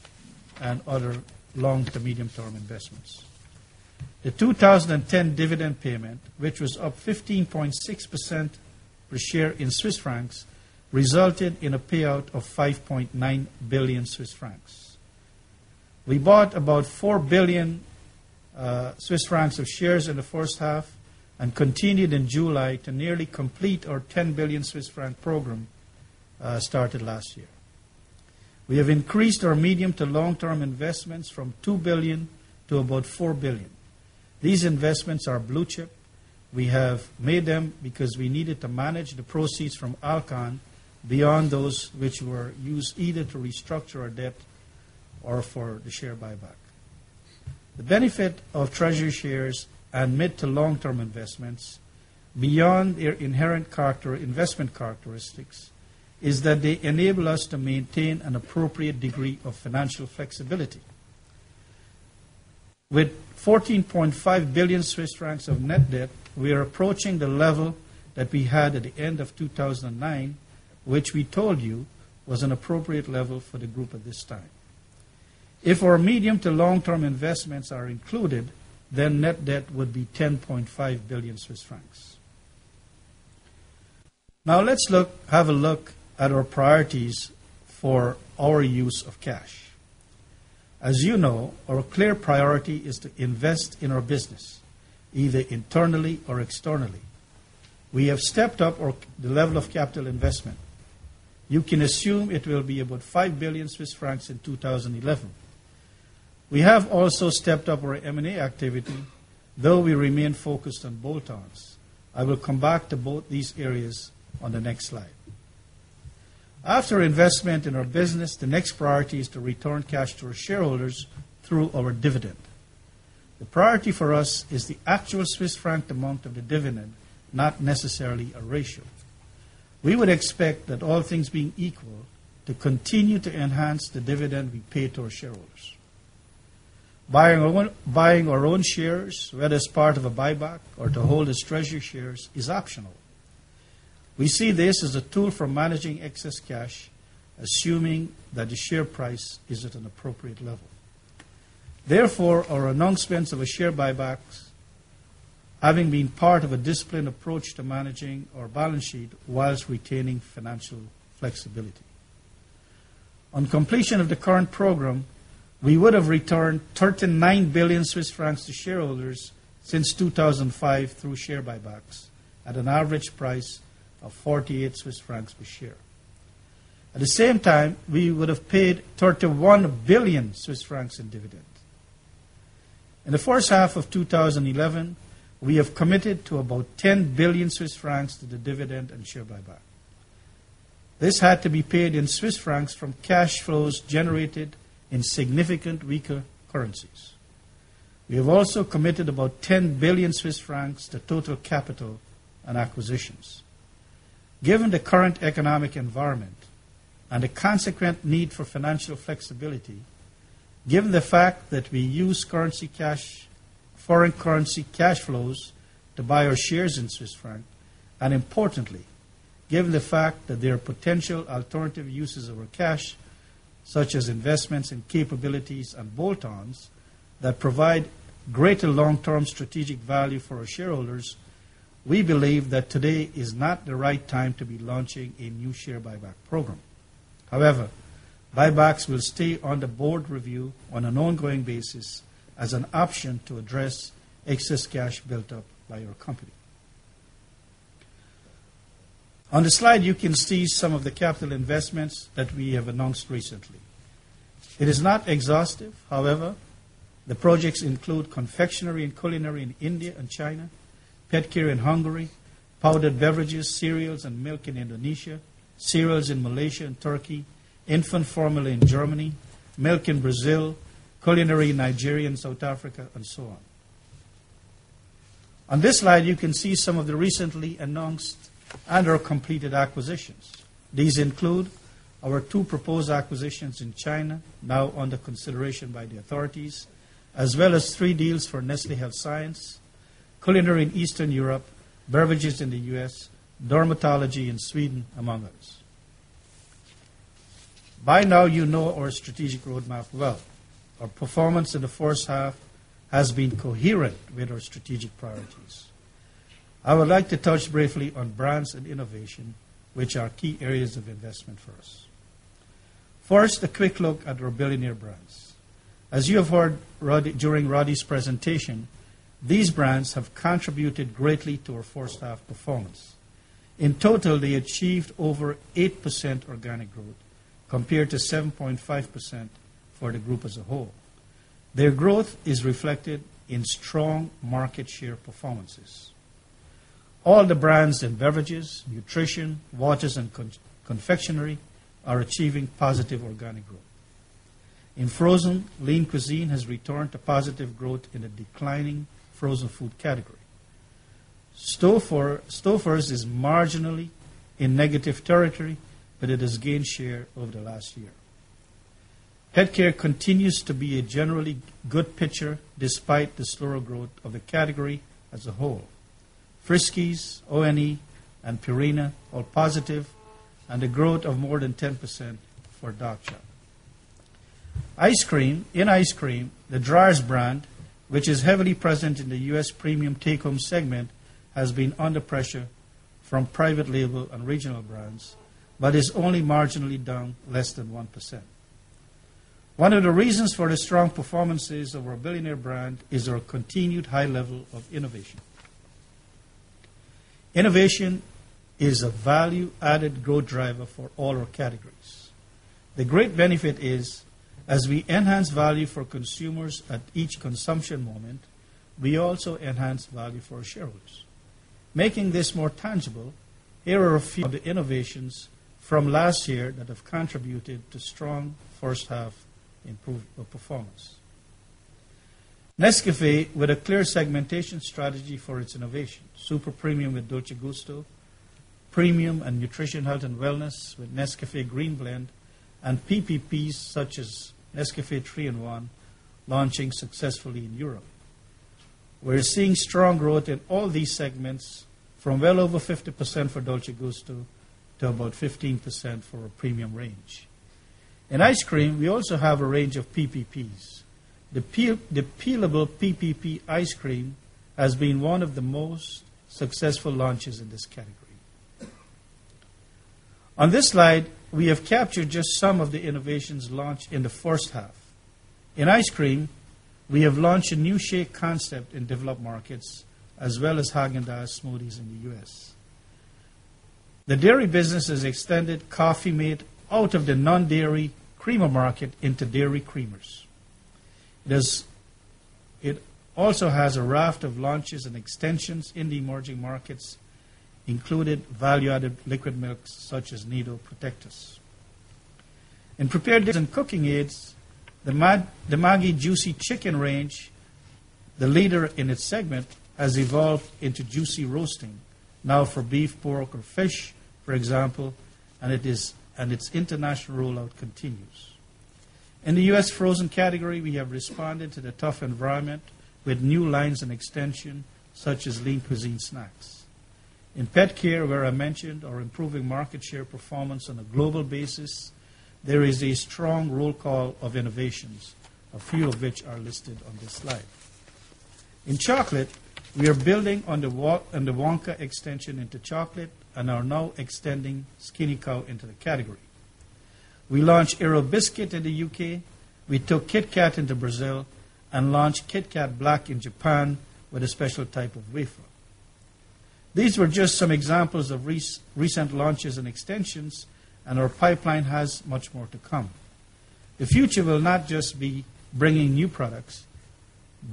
and other long to medium-term investments. The 2010 dividend payment, which was up 15.6% per share in Swiss francs, resulted in a payout of 5.9 billion Swiss francs. We bought about 4 billion Swiss francs of shares in the first half and continued in July to nearly complete our 10 billion Swiss franc program started last year. We have increased our medium to long-term investments from 2 billion to about 4 billion. These investments are blue chip. We have made them because we needed to manage the proceeds from Alcon beyond those which were used either to restructure our debt or for the share buyback. The benefit of treasury shares and mid to long-term investments, beyond their inherent investment characteristics, is that they enable us to maintain an appropriate degree of financial flexibility. With 14.5 billion Swiss francs of net debt, we are approaching the level that we had at the end of 2009, which we told you was an appropriate level for the group at this time. If our medium to long-term investments are included, then net debt would be 10.5 billion Swiss francs. Now let's have a look at our priorities for our use of cash. As you know, our clear priority is to invest in our business, either internally or externally. We have stepped up the level of capital investment. You can assume it will be about 5 billion Swiss francs in 2011. We have also stepped up our M&A activity, though we remain focused on BOTONs. I will come back to both these areas on the next slide. After investment in our business, the next priority is to return cash to our shareholders through our dividend. The priority for us is the actual Swiss franc amount of the dividend, not necessarily a ratio. We would expect, all things being equal, to continue to enhance the dividend we pay to our shareholders. Buying our own shares, whether as part of a buyback or to hold as treasury shares, is optional. We see this as a tool for managing excess cash, assuming that the share price is at an appropriate level. Therefore, our announcements of a share buyback have been part of a disciplined approach to managing our balance sheet whilst retaining financial flexibility. On completion of the current program, we would have returned 39 billion Swiss francs to shareholders since 2005 through share buybacks at an average price of 48 Swiss francs per share. At the same time, we would have paid 31 billion Swiss francs in dividend. In the first half of 2011, we have committed to about 10 billion Swiss francs to the dividend and share buyback. This had to be paid in Swiss francs from cash flows generated in significant weaker currencies. We have also committed about 10 billion Swiss francs to total capital and acquisitions. Given the current economic environment and the consequent need for financial flexibility, given the fact that we use foreign currency cash flows to buy our shares in Swiss francs, and importantly, given the fact that there are potential alternative uses of our cash, such as investments in capabilities and BOTONs that provide greater long-term strategic value for our shareholders, we believe that today is not the right time to be launching a new share buyback program. However, buybacks will stay under Board review on an ongoing basis as an option to address excess cash built up by your company. On the slide, you can see some of the capital investments that we have announced recently. It is not exhaustive, however, the projects include confectionery and culinary in India and China, PetCare in Hungary, powdered beverages, cereals and milk in Indonesia, cereals in Malaysia and Turkey, infant formula in Germany, milk in Brazil, culinary in Nigeria and South Africa, and so on. On this slide, you can see some of the recently announced and/or completed acquisitions. These include our two proposed acquisitions in China, now under consideration by the authorities, as well as three deals for Nestlé Health Science, culinary in Eastern Europe, beverages in the U.S., dermatology in Sweden, among others. By now, you know our strategic roadmap well. Our performance in the first half has been coherent with our strategic priorities. I would like to touch briefly on brands and innovation, which are key areas of investment for us. First, a quick look at our billionaire brands. As you have heard during Roddy's presentation, these brands have contributed greatly to our first half performance. In total, they achieved over 8% organic growth compared to 7.5% for the group as a whole. Their growth is reflected in strong market share performances. All the brands in beverages, nutrition, waters, and confectionery are achieving positive organic growth. In frozen, Lean Cuisine has returned to positive growth in a declining frozen food category. Stouffer is marginally in negative territory, but it has gained share over the last year. PetCare continues to be a generally good picture despite the slower growth of the category as a whole. Friskies, ONE, and Purina are positive, and a growth of more than 10% for Dog Chow. In ice cream, the Dreyer's brand, which is heavily present in the U.S. premium take-home segment, has been under pressure from private label and regional brands, but is only marginally down less than 1%. One of the reasons for the strong performances of our billionaire brand is our continued high level of innovation. Innovation is a value-added growth driver for all our categories. The great benefit is, as we enhance value for consumers at each consumption moment, we also enhance value for our shareholders. Making this more tangible, here are a few of the innovations from last year that have contributed to strong first-half improved performance. Nescafé, with a clear segmentation strategy for its innovation, super premium with Nescafé Dolce Gusto, premium and nutrition health and wellness with Nescafé Green Blend, and PPPs such as Nescafé 3-in-1 launching successfully in Europe. We're seeing strong growth in all these segments, from well over 50% for Dolce Gusto to about 15% for a premium range. In ice cream, we also have a range of PPPs. The peelable PPP ice cream has been one of the most successful launches in this category. On this slide, we have captured just some of the innovations launched in the first half. In ice cream, we have launched a new shake concept in developed markets, as well as Häagen-Dazs smoothies in the U.S. The dairy business has extended Coffee-mate out of the non-dairy creamer market into dairy creamers. It also has a raft of launches and extensions in the emerging markets, including value-added liquid milks such as Nido Protectus. In prepared goods and cooking aids, the Maggi Juicy Chicken range, the leader in its segment, has evolved into Maggi Juicy Roasting, now for beef, pork, or fish, for example, and its international rollout continues. In the U.S. frozen category, we have responded to the tough environment with new lines and extensions such as Lean Cuisine snacks. In PetCare, where I mentioned our improving market share performance on a global basis, there is a strong roll call of innovations, a few of which are listed on this slide. In chocolate, we are building on the Wonka extension into chocolate and are now extending Skinny Cow into the category. We launched Aero Biscuit in the U.K., we took KitKat into Brazil, and launched KitKat Black in Japan with a special type of wafer. These were just some examples of recent launches and extensions, and our pipeline has much more to come. The future will not just be bringing new products,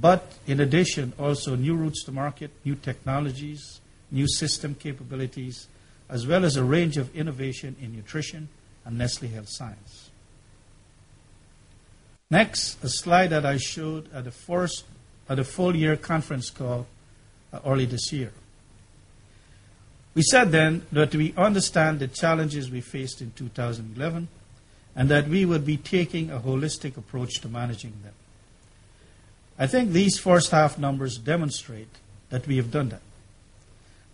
but in addition, also new routes to market, new technologies, new system capabilities, as well as a range of innovation in nutrition and Nestlé Health Science. Next, a slide that I showed at a four-year conference call early this year. We said then that we understand the challenges we faced in 2011 and that we would be taking a holistic approach to managing them. I think these first-half numbers demonstrate that we have done that.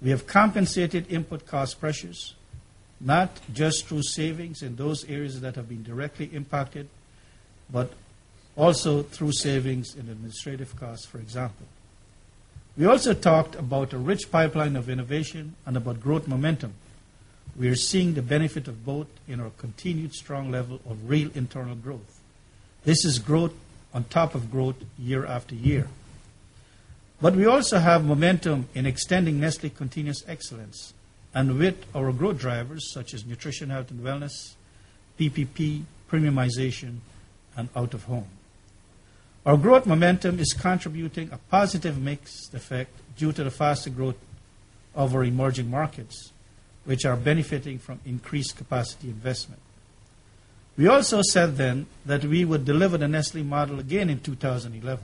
We have compensated input cost pressures, not just through savings in those areas that have been directly impacted, but also through savings in administrative costs, for example. We also talked about a rich pipeline of innovation and about growth momentum. We are seeing the benefit of both in our continued strong level of real internal growth. This is growth on top of growth year after year. We also have momentum in extending Nestlé Continuous Excellence and with our growth drivers such as nutrition, health and wellness, PPP, premiumization, and out of home. Our growth momentum is contributing a positive mix effect due to the faster growth of our emerging markets, which are benefiting from increased capacity investment. We also said then that we would deliver the Nestlé model again in 2011.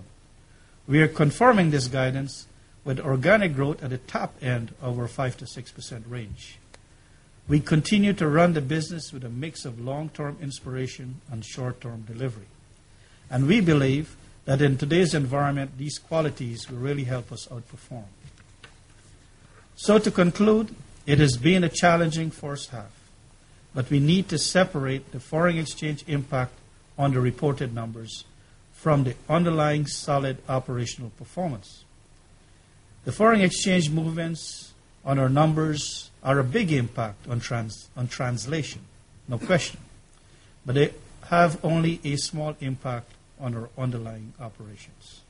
We are confirming this guidance with organic growth at the top end of our 5%-6% range. We continue to run the business with a mix of long-term inspiration and short-term delivery. We believe that in today's environment, these qualities will really help us outperform. To conclude, it has been a challenging first half, but we need to separate the foreign exchange impact on the reported numbers from the underlying solid operational performance. The foreign exchange movements on our numbers are a big impact on translation, no question, but they have only a small impact on our underlying operations.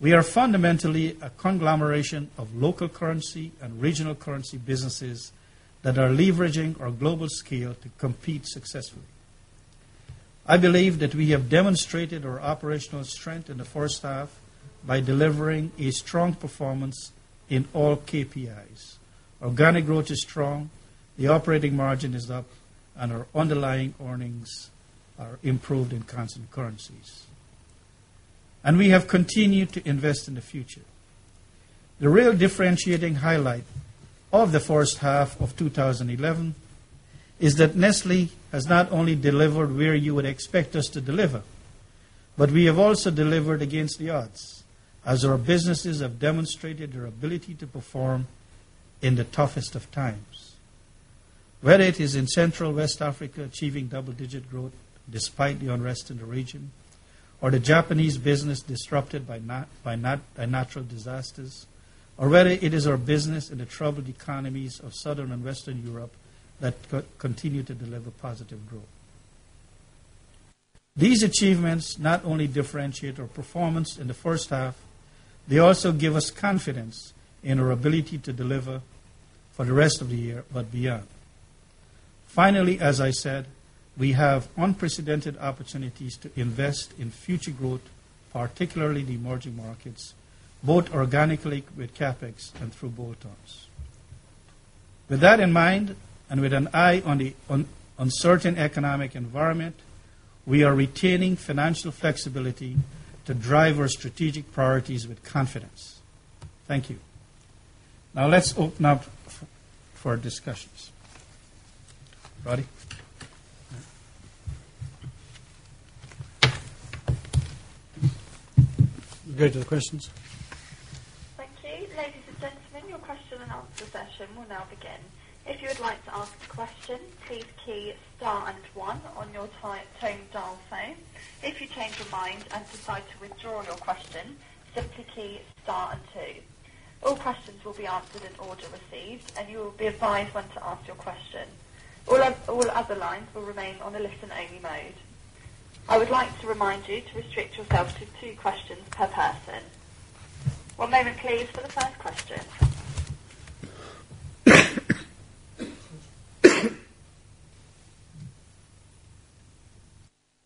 We are fundamentally a conglomeration of local currency and regional currency businesses that are leveraging our global scale to compete successfully. I believe that we have demonstrated our operational strength in the first half by delivering a strong performance in all KPIs. Organic growth is strong, the operating margin is up, and our underlying earnings are improved in constant currencies. We have continued to invest in the future. The real differentiating highlight of the first half of 2011 is that Nestlé has not only delivered where you would expect us to deliver, but we have also delivered against the odds, as our businesses have demonstrated their ability to perform in the toughest of times. Whether it is in Central West Africa achieving double-digit growth despite the unrest in the region, or the Japanese business disrupted by natural disasters, or whether it is our business in the troubled economies of Southern and Western Europe that continue to deliver positive growth, these achievements not only differentiate our performance in the first half, they also give us confidence in our ability to deliver for the rest of the year, but beyond. Finally, as I said, we have unprecedented opportunities to invest in future growth, particularly the emerging markets, both organically with CapEx and through BOTONs. With that in mind and with an eye on the uncertain economic environment, we are retaining financial flexibility to drive our strategic priorities with confidence. Thank you. Now let's open up for discussions. Roddy? We'll go to the questions. Okay, ladies and gentlemen, your question-and-answer session will now begin. If you would like to ask questions, please key Star and one on your tone dial phone. If you change your mind and decide to withdraw your question, simply key Star and two. All questions will be answered in order received, and you will be advised when to ask your question. All other lines will remain on the listen-only mode. I would like to remind you to restrict yourselves to two questions per person. One moment, please, for the first question.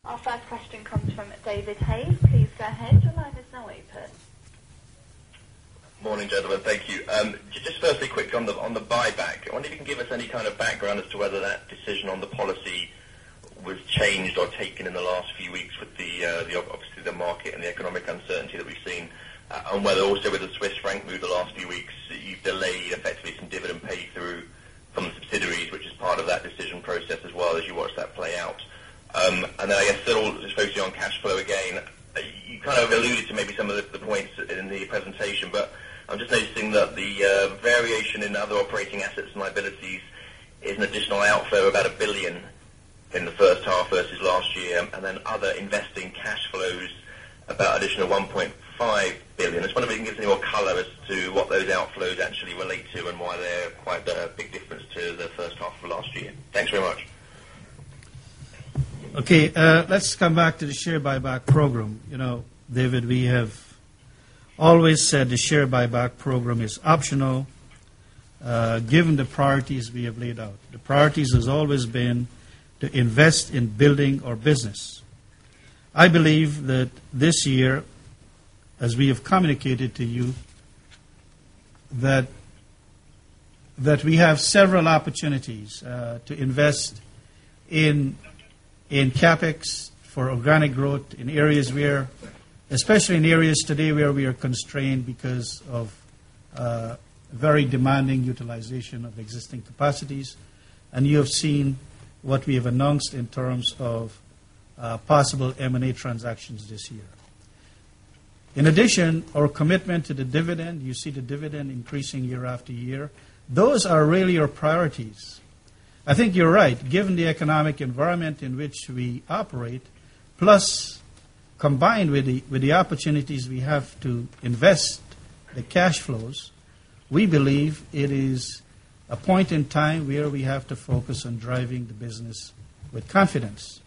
Our first question comes from David Hayes. Please go ahead. Your line is now open. Good morning, gentlemen. Thank you. Just firstly, quick on the buyback. I wonder if you can give us any kind of background as to whether that decision on the policy was changed or taken in the last few weeks with obviously the market and the economic uncertainty that we've seen, and whether also with the Swiss franc move the last three weeks, that you delay effectively some dividend pay-through from the subsidiaries, which is part of that decision process as well that you worked that play out. I guess still, the question on cash flow again, you kind of alluded to maybe some of the points in the presentation, but I'm just noticing that the variation in other operating assets and liabilities is an additional outflow of about 1 billion in the first half versus last year, and then other investing cash flows about an additional CHF 1.5 billion. I just want to make sure you're seeing your color as to what those outflows actually relate to and why they're quite a big difference to the first half from last year. Thanks very much. Okay, let's come back to the share buyback program. You know, David, we have always said the share buyback program is optional, given the priorities we have laid out. The priorities have always been to invest in building our business. I believe that this year, as we have communicated to you, we have several opportunities to invest in CapEx for organic growth in areas where, especially in areas today where we are constrained because of very demanding utilization of existing capacities, and you have seen what we have announced in terms of possible M&A transactions this year. In addition, our commitment to the dividend, you see the dividend increasing year after year. Those are really our priorities. I think you're right, given the economic environment in which we operate, combined with the opportunities we have to invest the cash flows, we believe it is a point in time where we have to focus on driving the business with confidence.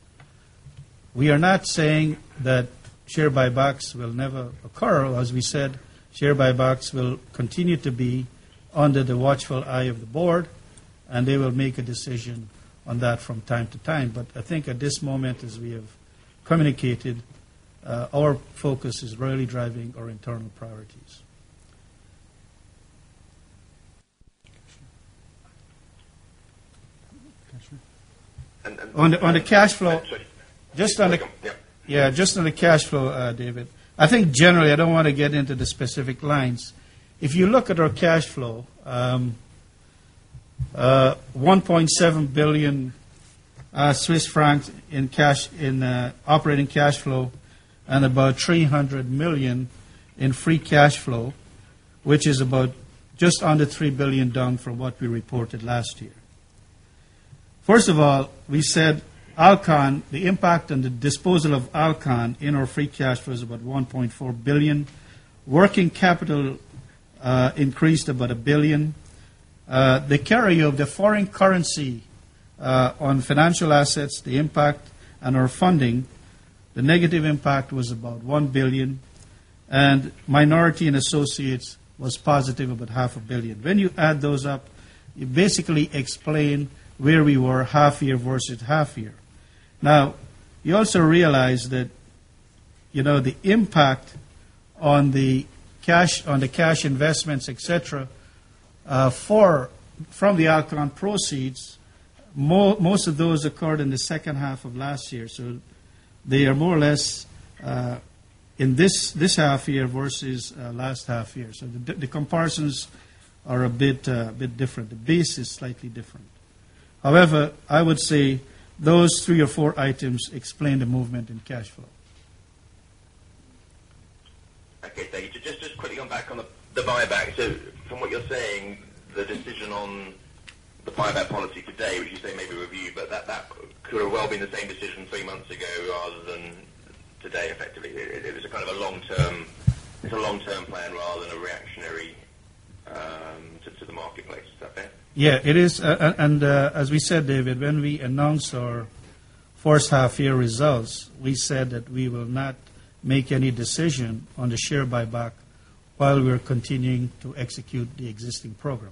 We are not saying that share buybacks will never occur, or as we said, share buybacks will continue to be under the watchful eye of the board, and they will make a decision on that from time to time. I think at this moment, as we have communicated, our focus is really driving our internal priorities. On the cash flow, just on the cash flow, David, I think generally, I don't want to get into the specific lines. If you look at our cash flow, 1.7 billion Swiss francs in operating cash flow and about 300 million in free cash flow, which is just under 3 billion down from what we reported last year. First of all, we said Alcon, the impact on the disposal of Alcon in our free cash flow is about 1.4 billion. Working capital increased about 1 billion. The carry of the foreign currency on financial assets, the impact, and our funding, the negative impact was about 1 billion, and minority and associates was positive about 0.5 billion. When you add those up, you basically explain where we were half year versus half year. You also realize that the impact on the cash investments, etc., from the Alcon proceeds, most of those occurred in the second half of last year. They are more or less in this half year versus last half year. The comparisons are a bit different. The base is slightly different. I would say those three or four items explain the movement in cash flow. Just to quickly come back on the buyback, from what you're saying, the decision on the buyback policy today, you say make a review, but that could well be the same decision three months ago rather than today, effectively. It's a long-term plan rather than a reactionary to the marketplace. Yes, it is. As we said, David, when we announced our first half-year results, we said that we will not make any decision on the share buyback while we're continuing to execute the existing program.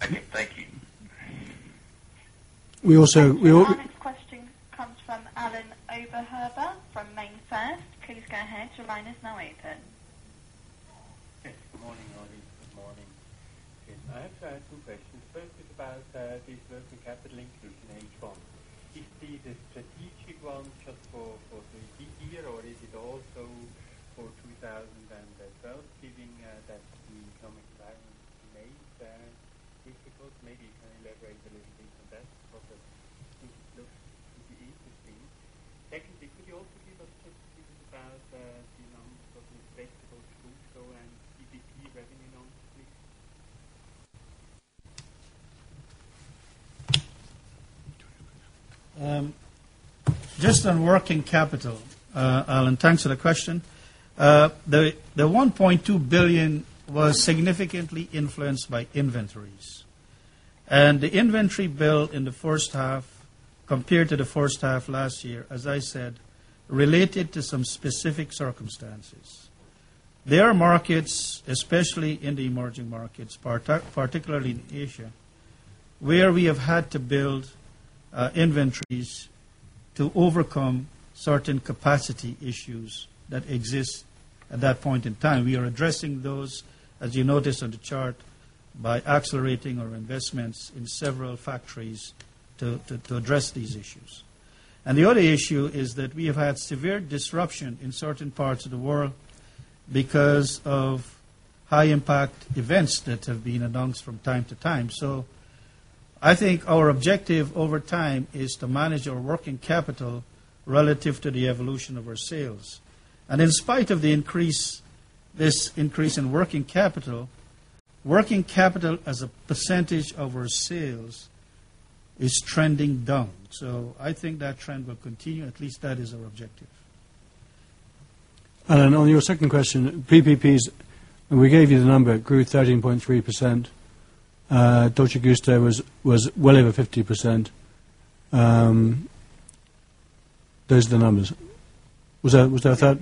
The question comes from Alain Oberhuber from MainFirst. Please go ahead. Your line is now open. Yes, good morning, Roddy. Good morning, Jim. I have some questions. One is about the source of capital increase in H1. Is this a strategic one for the GDP or is it also for 2013 that the economic environment remains difficult? Maybe you can elaborate a little bit on that. Secondly, could you also give us the specifics of the announced profit plus costs and GDP revenue announced? Just on working capital, Alain, thanks for the question. The 1.2 billion was significantly influenced by inventories. The inventory bill in the first half compared to the first half last year, as I said, related to some specific circumstances. There are markets, especially in the emerging markets, particularly in Asia, where we have had to build inventories to overcome certain capacity issues that exist at that point in time. We are addressing those, as you notice on the chart, by accelerating our investments in several factories to address these issues. The other issue is that we have had severe disruption in certain parts of the world because of high-impact events that have been announced from time to time. I think our objective over time is to manage our working capital relative to the evolution of our sales. In spite of the increase, this increase in working capital, working capital as a percentage of our sales is trending down. I think that trend will continue. At least that is our objective. On your second question, PPPs, we gave you the number, it grew 13.3%. Dolce Gusto was well over 50%. Those are the numbers. Was that a thought?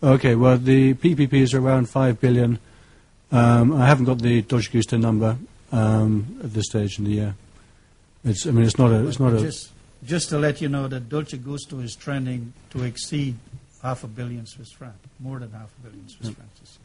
The PPP is around 5 billion. I haven't got the Dolce Gusto number at this stage in the year. I mean, it's not a. Just to let you know that Nescafé Dolce Gusto is trending to exceed 0.5 billion Swiss francs, more than CHF 0.5 billion. Thank you. Thank you. Our next question comes from Patrik Schwendimann. Please go ahead. Your line is now open. Patrik Schwendimann at Zürcher Kantonalbank. Hi, Roddy.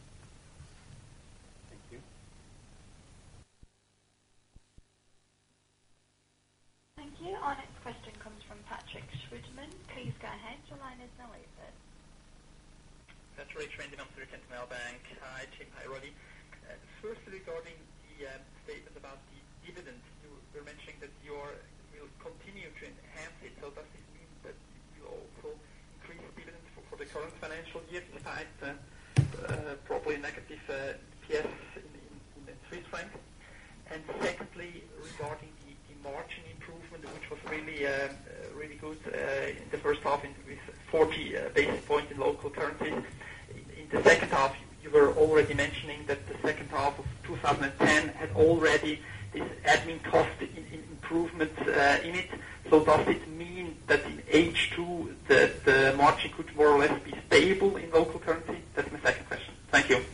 First, regarding the statement about the dividends, you were mentioning that you'll continue to enhance it. Does this mean that you'll increase dividends for the current financial year, despite probably negative shares in Swiss francs? Secondly, regarding the margin improvement, which was really good, the first half with 40 basis points in local currencies. In the second half, you were already mentioning that the second half of 2010 had already these admin costs improvements in it. Does this mean that in H2, the margin could grow and be stable in local currency? That's my second question. Thank you.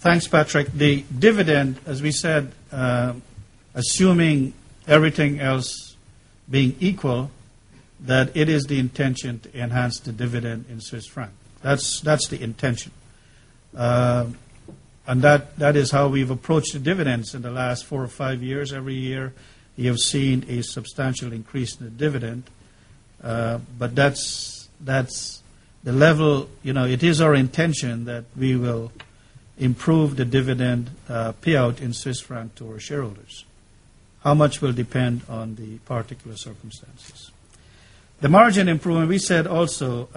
Thanks, Patrik. The dividend, as we said, assuming everything else being equal, that it is the intention to enhance the dividend in Swiss francs. That's the intention. That is how we've approached the dividends in the last four or five years. Every year, you've seen a substantial increase in the dividend. That is the level, you know, it is our intention that we will improve the dividend payout in Swiss francs to our shareholders. How much will depend on the particular circumstances. The margin improvement, we said also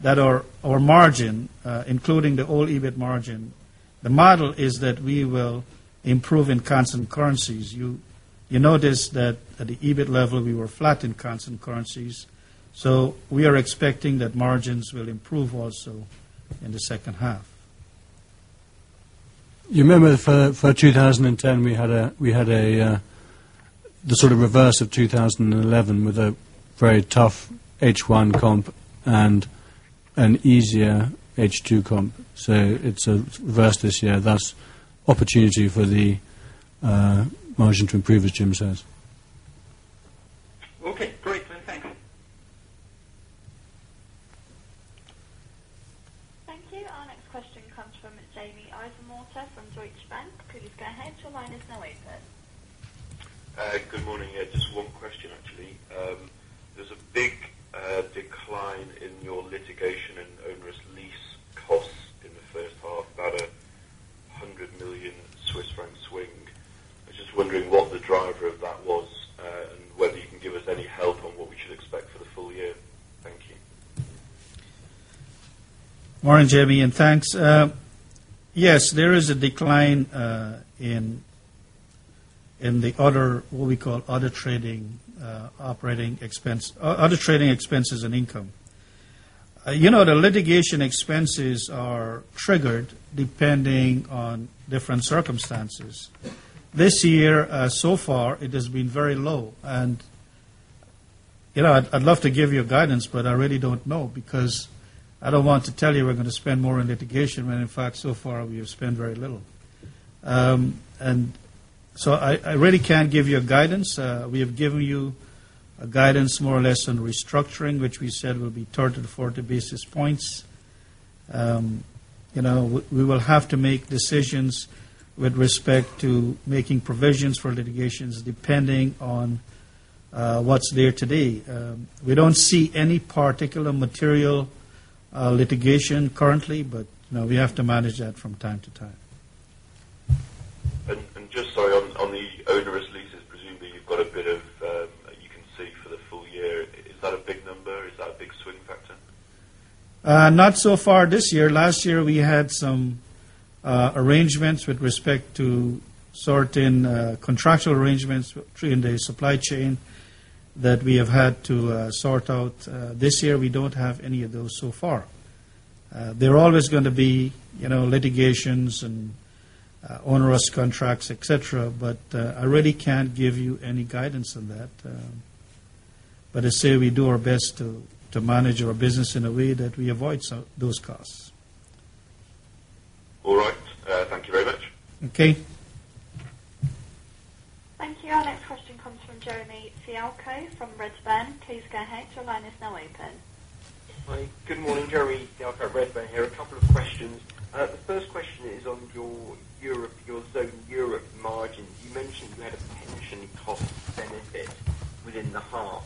that our margin, including the all EBIT margin, the model is that we will improve in constant currencies. You noticed that at the EBIT level, we were flat in constant currencies. We are expecting that. Margins will improve also in the second half. You remember for 2010, we had the sort of reverse of 2011 with a very tough H1 comp and an easier H2 comp. It's a reverse this year. That's an opportunity for the margin to improve, as Jim says. Thank you. Our next question comes from Jamie Eisenmuller from Deutsche Bank. Please go ahead. Your line is now open. Good morning. Just one question, actually. There's a big decline in your litigation and owners' lease costs in the first half, about CHF 100 million to a joint swing. I'm just wondering what the driver of that was and whether you can give us any help on what we should expect for the full year. Thank you. Morning, Jamie, and thanks. Yes, there is a decline in the other, what we call other trading expenses and income. The litigation expenses are triggered depending on different circumstances. This year, so far, it has been very low. I'd love to give you guidance, but I really don't know because I don't want to tell you we're going to spend more on litigation when, in fact, so far, we have spent very little. I really can't give you guidance. We have given you guidance more or less on restructuring, which we said will be 30-40 basis points. We will have to make decisions with respect to making provisions for litigations depending on what's there today. We don't see any particular material litigation currently, but we have to manage that from time to time. Sorry, on the owners' leases, presumably you've got a bit of, you can see for the full year. Is that a big number? Is that a big swing factor? Not so far this year. Last year, we had some arrangements with respect to certain contractual arrangements in the supply chain that we have had to sort out. This year, we don't have any of those so far. There are always going to be litigations and onerous contracts, et cetera, but I really can't give you any guidance on that. I say we do our best to manage our business in a way that we avoid those costs. Okay. Thank you. Our next question comes from Jeremy Fialko from Redburn. Please go ahead. Your line is now open. Hi. Good morning, Jeremy Fialko at Redburn here. A couple of questions. The first question is on your zone Europe margin. You mentioned you had a potential cost-benefit within the half.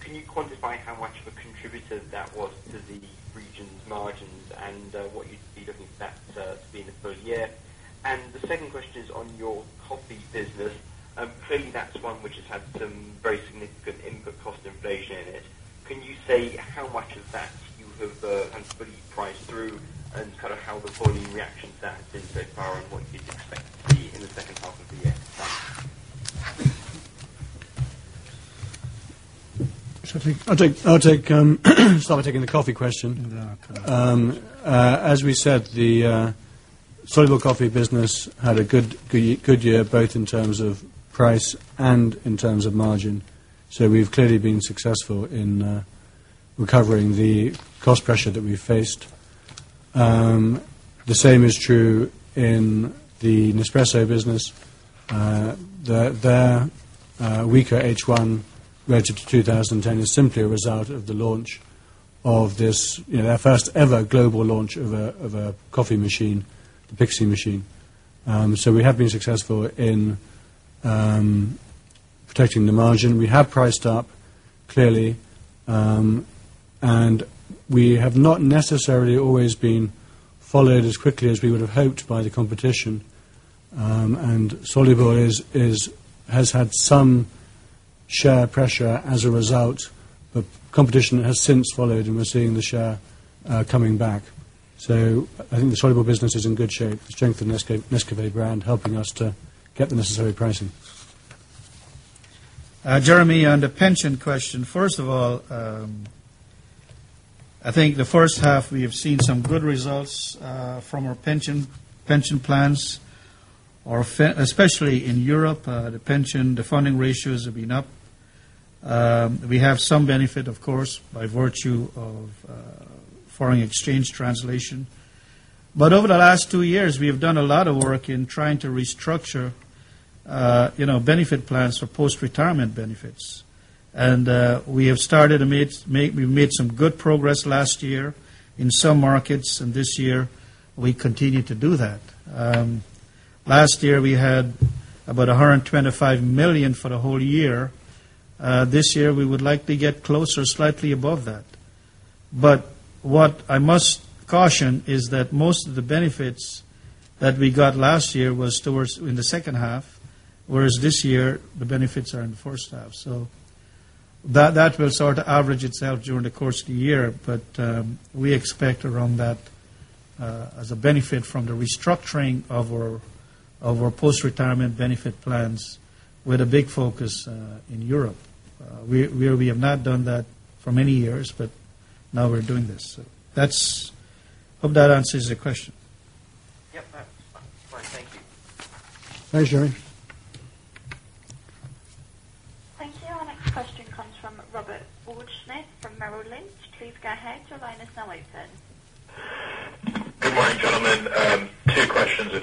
Can you quantify how much of a contributor that was to the region's margins and what you see that was being applied yet? The second question is on your coffee business. Clearly, that's one which has had some very significant input cost inflation in it. Can you say how much of that you have priced through and sort of how the volume reaction to that has been so far and what you expect? I'll start by taking the coffee question. As we said, the soluble coffee business had a good, good year both in terms of price and in terms of margin. We have clearly been successful in recovering the cost pressure that we've faced. The same is true in the Nespresso business. Their weaker H1 relative to 2010 is simply a result of the launch of this, you know, their first ever global launch of a coffee machine, the Pixie machine. We have been successful in protecting the margin. We have priced up clearly. We have not necessarily always been followed as quickly as we would have hoped by the competition. Soluble has had some share pressure as a result, but competition has since followed and we're seeing the share coming back. I think the soluble business is in good shape. The strength of the Nescafé brand helping us to get the necessary pricing. Jeremy, on the pension question, first of all, I think the first half we have seen some good results from our pension plans, especially in Europe. The pension, the funding ratios have been up. We have some benefit, of course, by virtue of foreign exchange translation. Over the last two years, we have done a lot of work in trying to restructure benefit plans for post-retirement benefits. We have started amidst, we made some good progress last year in some markets, and this year, we continue to do that. Last year, we had about 125 million for the whole year. This year, we would like to get closer, slightly above that. What I must caution is that most of the benefits that we got last year were in the second half, whereas this year, the benefits are in the first half. That will sort of average itself during the course of the year, but we expect around that as a benefit from the restructuring of our post-retirement benefit plans with a big focus in Europe. We have not done that for many years, but now we're doing this. I hope that answers the question. All right. Thank you. Thanks, Jeremy. Thank you. Our next question comes from Robert Waldschmidt from Merrill Lynch. Please go ahead. Your line is going.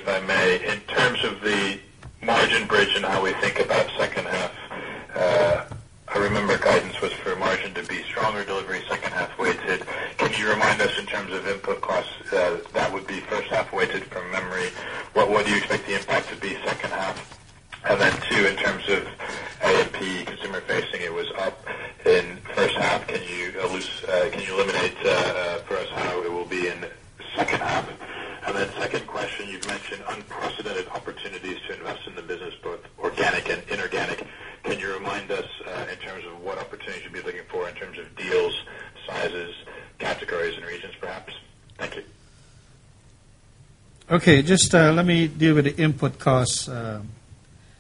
In terms of the meeting break and how we think about the question I asked, I remember we put cost aside. I would be first off pointed from memory. It seems like everything was up in the first half, and I was just kind of ignoring it for a while. I do see a lot of similarities, both organic and inorganic. Can you remind us in terms of what opportunities we'd be looking for in terms of deals, sizes, and reasons, perhaps? Okay. Let me deal with the input costs.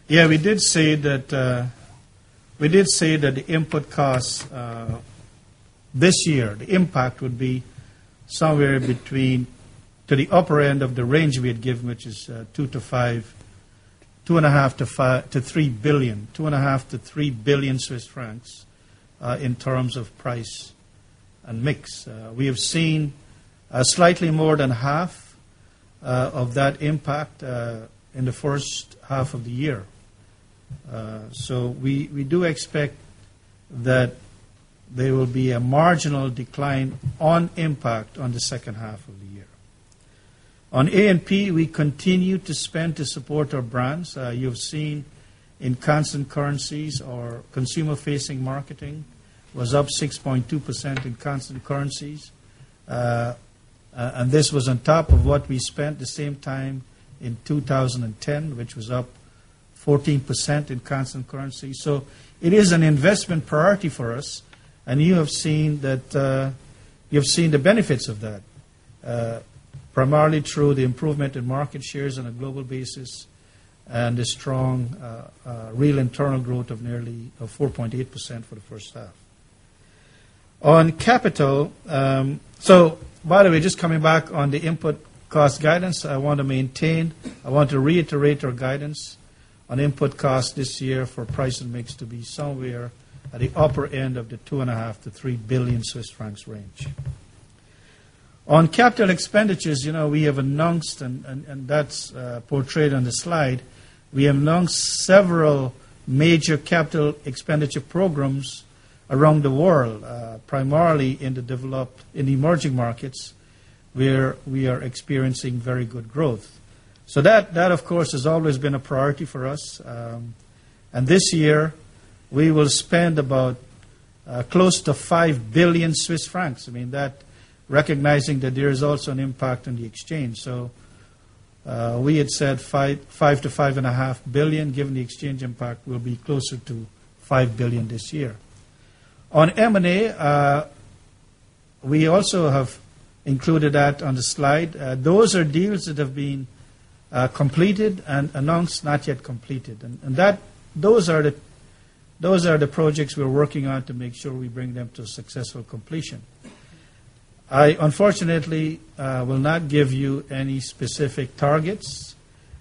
We did say that the input costs this year, the impact would be somewhere at the upper end of the range we'd given, which is 2.5 billion-3 billion in terms of price and mix. We have seen slightly more than half of that impact in the first half of the year. We do expect that there will be a marginal decline on impact in the second half of the year. On A&P, we continue to spend to support our brands. You've seen in constant currencies, our consumer-facing marketing was up 6.2% in constant currencies. This was on top of what we spent at the same time in 2010, which was up 14% in constant currency. It is an investment priority for us. You have seen the benefits of that, primarily through the improvement in market shares on a global basis and the strong real internal growth of nearly 4.8% for the first half. On capital, just coming back on the input cost guidance, I want to reiterate our guidance on input costs this year for price and mix to be somewhere at the upper end of the 2.5-3 billion Swiss francs range. On capital expenditures, we have announced, and that's portrayed on the slide, several major capital expenditure programs around the world, primarily in the developed and emerging markets where we are experiencing very good growth. That, of course, has always been a priority for us. This year, we will spend about close to 5 billion Swiss francs, recognizing that there is also an impact on the exchange. We had said 5 billion-5.5 billion; given the exchange impact, it will be closer to 5 billion this year. On M&A, we also have included that on the slide. Those are deals that have been completed and announced, not yet completed. Those are the projects we're working on to make sure we bring them to successful completion. I, unfortunately, will not give you any specific targets,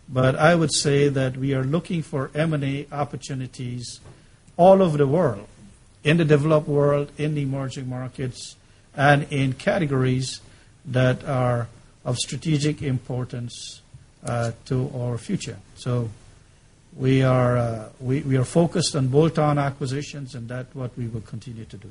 but I would say that we are looking for M&A opportunities all over the world, in the developed world, in the emerging markets, and in categories that are of strategic importance to our future. We are focused on bolt-on acquisitions, and that's what we will continue to do.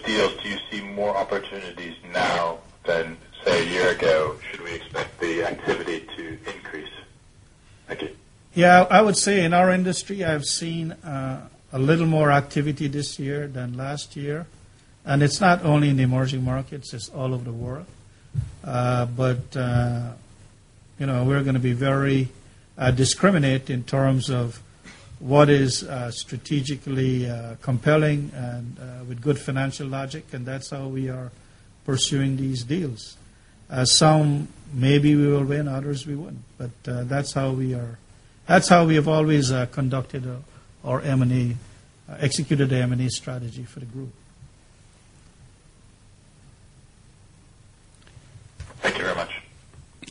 Steve, do you see more opportunities now than a year ago with the activity? Yeah, I would say in our industry, I've seen a little more activity this year than last year. It's not only in the emerging markets, it's all over the world. You know, we're going to be very discriminate in terms of what is strategically compelling and with good financial logic, and that's how we are pursuing these deals. Some, maybe we will win, others we won't. That's how we are, that's how we have always conducted our M&A, executed the M&A strategy for the group.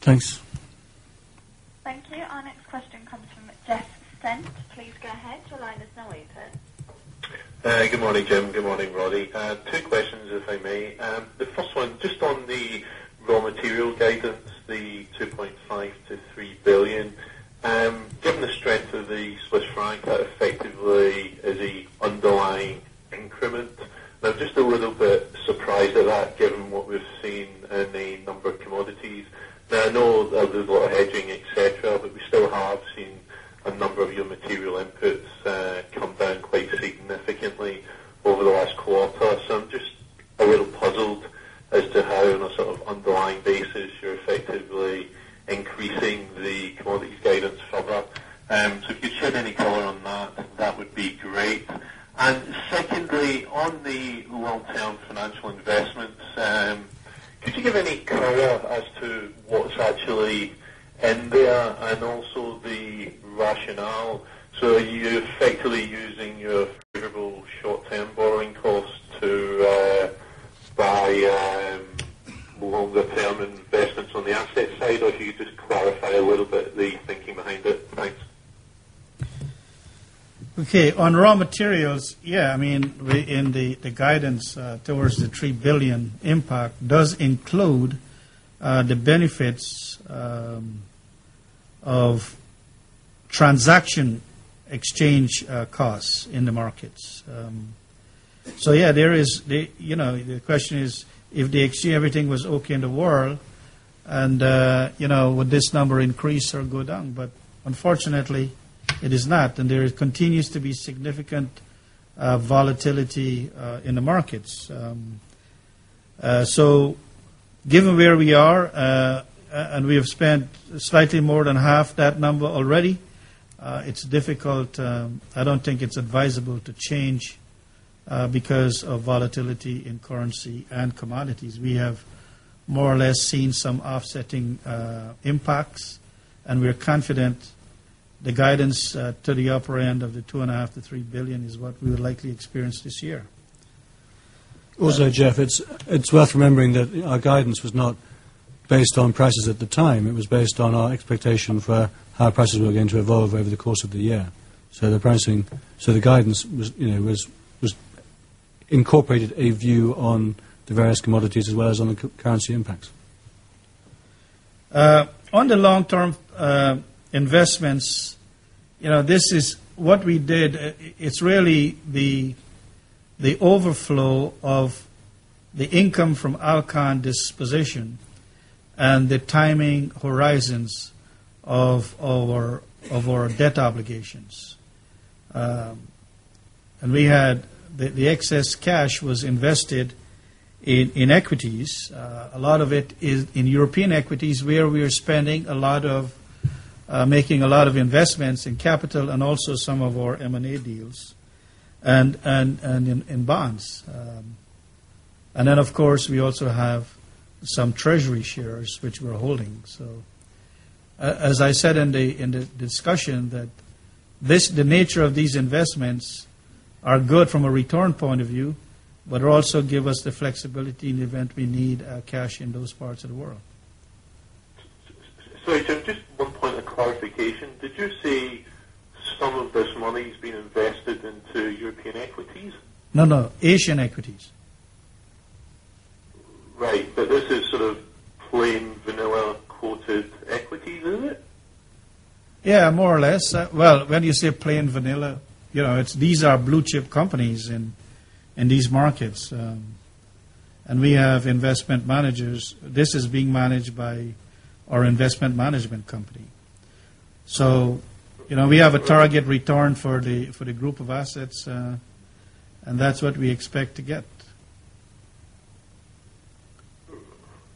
Thanks. Thank you. Our next question comes from Jeff Stent. Please go ahead. Your line is now open. Good morning, Jim. Good morning, Roddy. Two questions, if I may. The first one, just on the raw material guidance, the CHF 2.5 billion-CHF 3 billion. I'm going to stress just a little bit surprised at that given what we've seen in the number of commodities. There is a little bit of hedging exercise there, but we still have seen a number of your material inputs. Puzzled as to follow on a sort of underlying basis, you're effectively increasing the quality guidance for that. If you'd put any color on that, that would be great. Secondly, on the local financial investments, could you give any thorough as to what's actually in there and also the rationale? Are you effectively using your favorable short-term borrowing cost to buy longer-term investments on the asset side? Could you just clarify a little bit? Okay. On raw materials, yeah, I mean, we're in the guidance towards the 3 billion impact, which does include the benefits of transaction exchange costs in the markets. There is, you know, the question is if the exchange, everything was okay in the world, and you know, would this number increase or go down? Unfortunately, it is not. There continues to be significant volatility in the markets. Given where we are, and we have spent slightly more than half that number already, it's difficult. I don't think it's advisable to change because of volatility in currency and commodities. We have more or less seen some offsetting impacts, and we're confident the guidance to the upper end of the 2.5 billion-3 billion is what we will likely experience this year. Also, Jeff, it's worth remembering that our guidance was not based on prices at the time. It was based on our expectation for how prices were going to evolve over the course of the year. The guidance incorporated a view on the various commodities as well as on the currency impacts. On the long-term investments, you know, this is what we did. It's really the overflow of the income from our current disposition and the timing horizons of our debt obligations. We had the excess cash was invested in equities. A lot of it is in European equities where we are spending a lot of making a lot of investments in capital and also some of our M&A deals and in bonds. Of course, we also have some treasury shares, which we're holding. As I said in the discussion, the nature of these investments is good from a return point of view, but it also gives us the flexibility in the event we need cash in those parts of the world. The qualification, did you see some of this money being invested into European equities? No, no, Asian equities. Yeah, more or less. When you say plain vanilla, you know, these are blue-chip companies in these markets. We have investment managers. This is being managed by our investment management company. You know, we have a target return for the group of assets, and that's what we expect to get.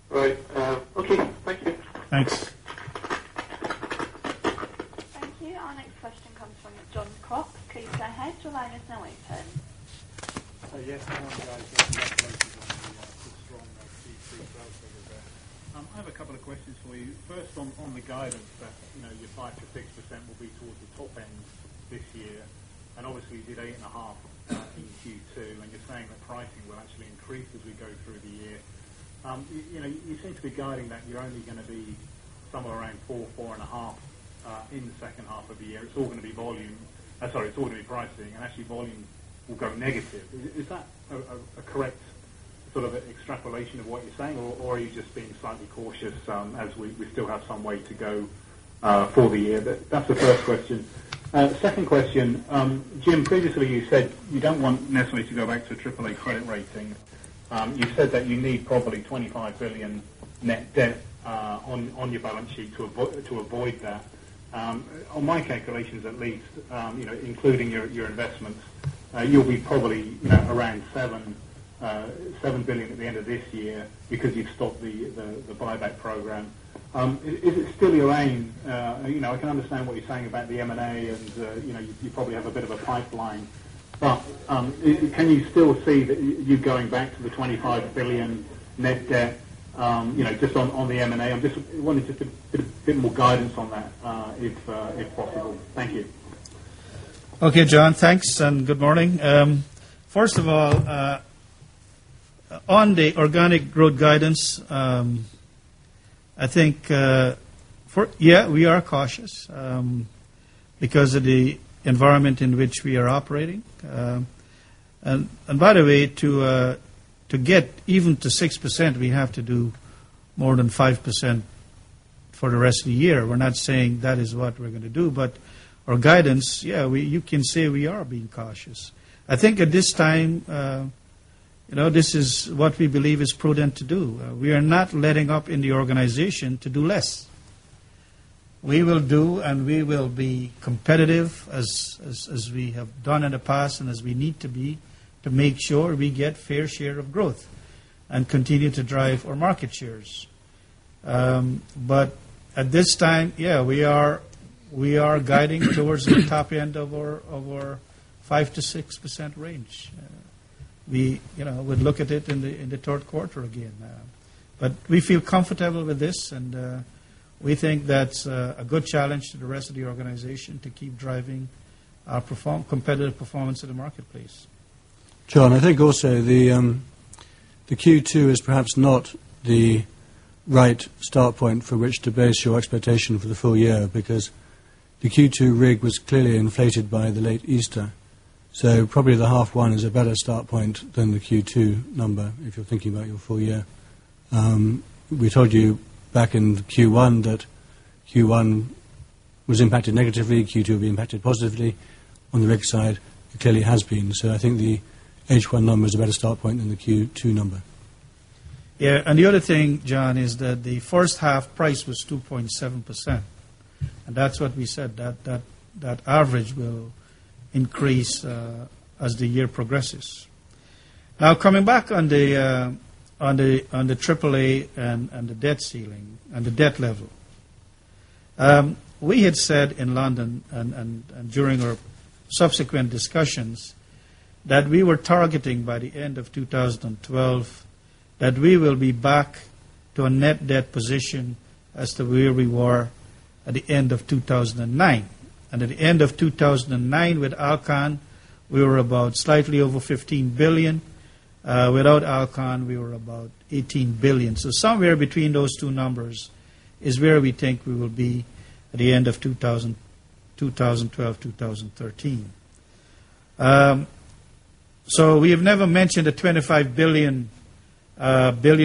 Okay, thank you. Thanks. Thank you. Our next question comes from Jon Cox. Please go ahead. Your line is now open. Yes, I'm Jon Cox I'm a strong C-suite sales deliverer. I have a couple of questions for you. First, on the guidance, you know, you cite that 6% will be towards the top end this year. Obviously, you did 8.5% in Q2, and you're saying the pricing will actually increase as we go through the year. You seem to be guiding that you're only going to be somewhere around 4%, 4.5% in the second half of the year. It's all going to be volume. Sorry, it's all going to be pricing, and actually, volume will go negative. Is that a correct sort of extrapolation of what you're saying, or are you just being slightly cautious as we still have some way to go for the year? That's the first question. Second question, Jim, previously, you said you don't want necessarily to go back to a AAA credit rating. You said that you need probably 25 billion net debt on your balance sheet to avoid that. On my calculations, at least, you know, including your investment, you'll be probably, you know, around 7 billion at the end of this year because you've stopped the buyback program. Is it still your aim? I can understand what you're saying about the M&A, and you know, you probably have a bit of a pipeline. Can you still see that you're going back to the 25 billion net debt, you know, just on the M&A? I just wanted a bit more guidance on that if possible. Thank you. Okay, Jon, thanks, and good morning. First of all, on the organic growth guidance, I think, yeah, we are cautious because of the environment in which we are operating. By the way, to get even to 6%, we have to do more than 5% for the rest of the year. We're not saying that is what we're going to do, but our guidance, yeah, you can say we are being cautious. I think at this time, you know, this is what we believe is prudent to do. We are not letting up in the organization to do less. We will do, and we will be competitive as we have done in the past and as we need to be to make sure we get fair share of growth and continue to drive our market shares. At this time, yeah, we are guiding towards the top end of our 5%-6% range. We, you know, would look at it in the third quarter again. We feel comfortable with this, and we think that's a good challenge to the rest of the organization to keep driving our competitive performance in the marketplace. Jon, I think also the Q2 is perhaps not the right start point for which to base your expectation for the full year, because the Q2 RIG was clearly inflated by the late Easter. Probably the H1 is a better start point than the Q2 number if you're thinking about your full year. We told you back in Q1 that Q1 was impacted negatively, Q2 will be impacted positively on the RIG side. It clearly has been. I think the H1 number is a better start point than the Q2 number. Yeah. The other thing, Jon, is that the first half price was 2.7%. That's what we said, that average will increase as the year progresses. Now, coming back on the AAA and the debt ceiling and the debt level, we had said in London and during our subsequent discussions that we were targeting by the end of 2012 that we will be back to a net debt position as to where we were at the end of 2009. At the end of 2009, with Alcan, we were about slightly over 15 billion. Without Alcan, we were about 18 billion. Somewhere between those two numbers is where we think we will be at the end of 2012, 2013. We have never mentioned the 25 billion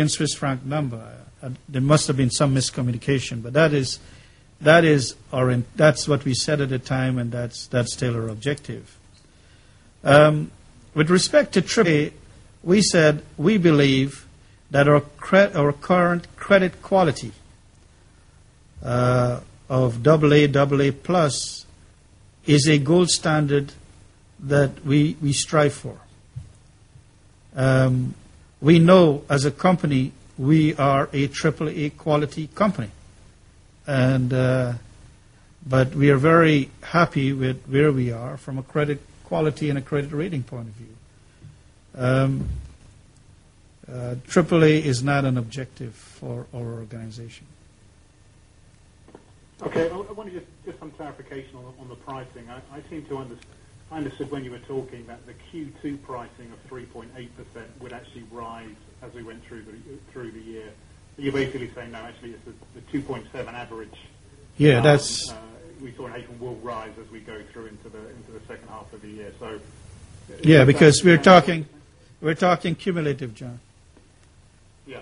Swiss franc number. There must have been some miscommunication, but that is what we said at the time, and that's still our objective. With respect to AAA, we said we believe that our current credit quality of AA, AA+ is a gold standard that we strive for. We know as a company, we are a AAA quality company. We are very happy with where we are from a credit quality and a credit rating point of view. AAA is not an objective for our organization. Okay. I want to just get some clarification on the pricing. I seem to understand when you were talking that the Q2 pricing of 3.8% would actually rise as we went through the year. You're basically saying that actually is the 2.7% average. Yeah, that's. We thought April will rise as we go through into the second half of the year. Yeah, because we're talking cumulative, Jon. Yeah.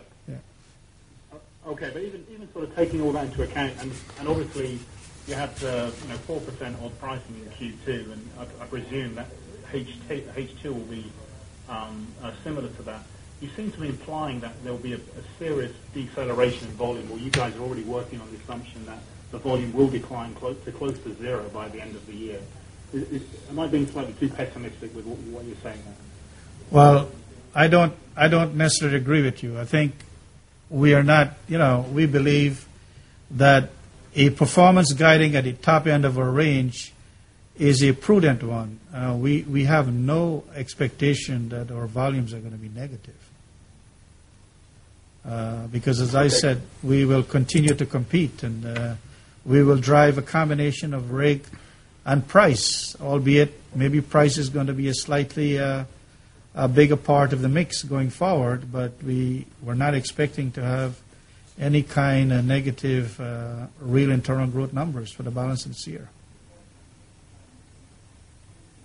Okay. Even sort of taking all that into account, and obviously, you have the 4% of the pricing in the Q2, and I presume that H2 will be similar to that. You seem to be implying that there will be a serious deceleration in volume, or you guys are already working on the assumption that the volume will decline to close to zero by the end of the year. Am I being slightly too pessimistic with what you're saying? I don't necessarily agree with you. I think we are not, you know, we believe that a performance guiding at the top end of our range is a prudent one. We have no expectation that our volumes are going to be negative, because as I said, we will continue to compete, and we will drive a combination of rig and price, albeit maybe price is going to be a slightly bigger part of the mix going forward, but we're not expecting to have any kind of negative real internal growth numbers for the balance of this year.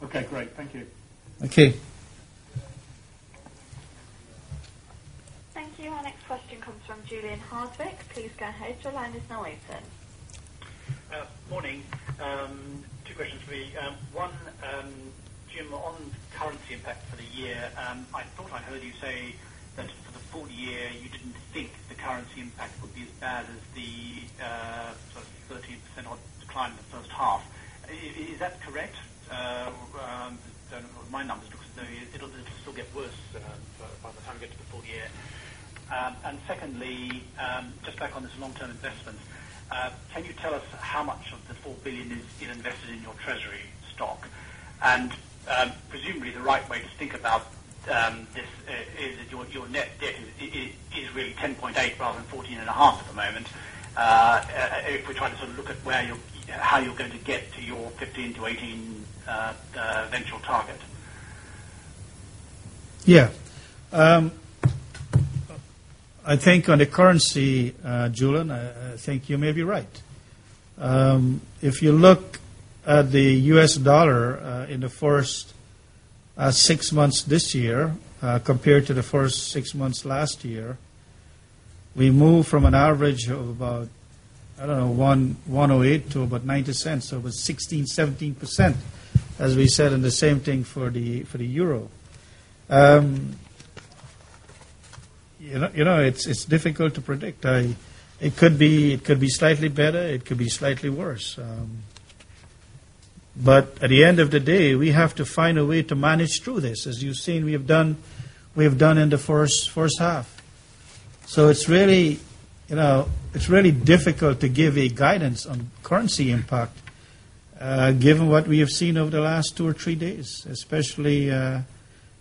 Okay, great. Thank you. Okay. Thank you. Our next question comes from Julian Hardwick. Please go ahead. Your line is now open. Good morning, two questions for you. One, Jim, on the currency impact for the year, I thought I heard you say that for the full year, you didn't think the currency impact would be as bad as the 30% decline in the first half. Is that correct? I don't know. My numbers look as though it'll still get worse by the time we get to the full year. Secondly, just back on this long-term investment, can you tell us how much of the 4 billion is invested in your treasury stock? Presumably, the right way to think about this is that your net debt is really 10.8 billion rather than 14.5 billion at the moment if we're trying to sort of look at where you're how you're going to get to your 15 billion-18 billion eventual target. Yeah. I think on the currency, Julian, I think you may be right. If you look at the U.S. dollar in the first six months this year compared to the first six months last year, we moved from an average of about, I don't know, 1.08 to about $0.90, so it was 16%, 17%, as we said, and the same thing for the euro. You know, it's difficult to predict. It could be slightly better. It could be slightly worse. At the end of the day, we have to find a way to manage through this. As you've seen, we have done in the first half. It's really, you know, it's really difficult to give a guidance on currency impact given what we have seen over the last two or three days, especially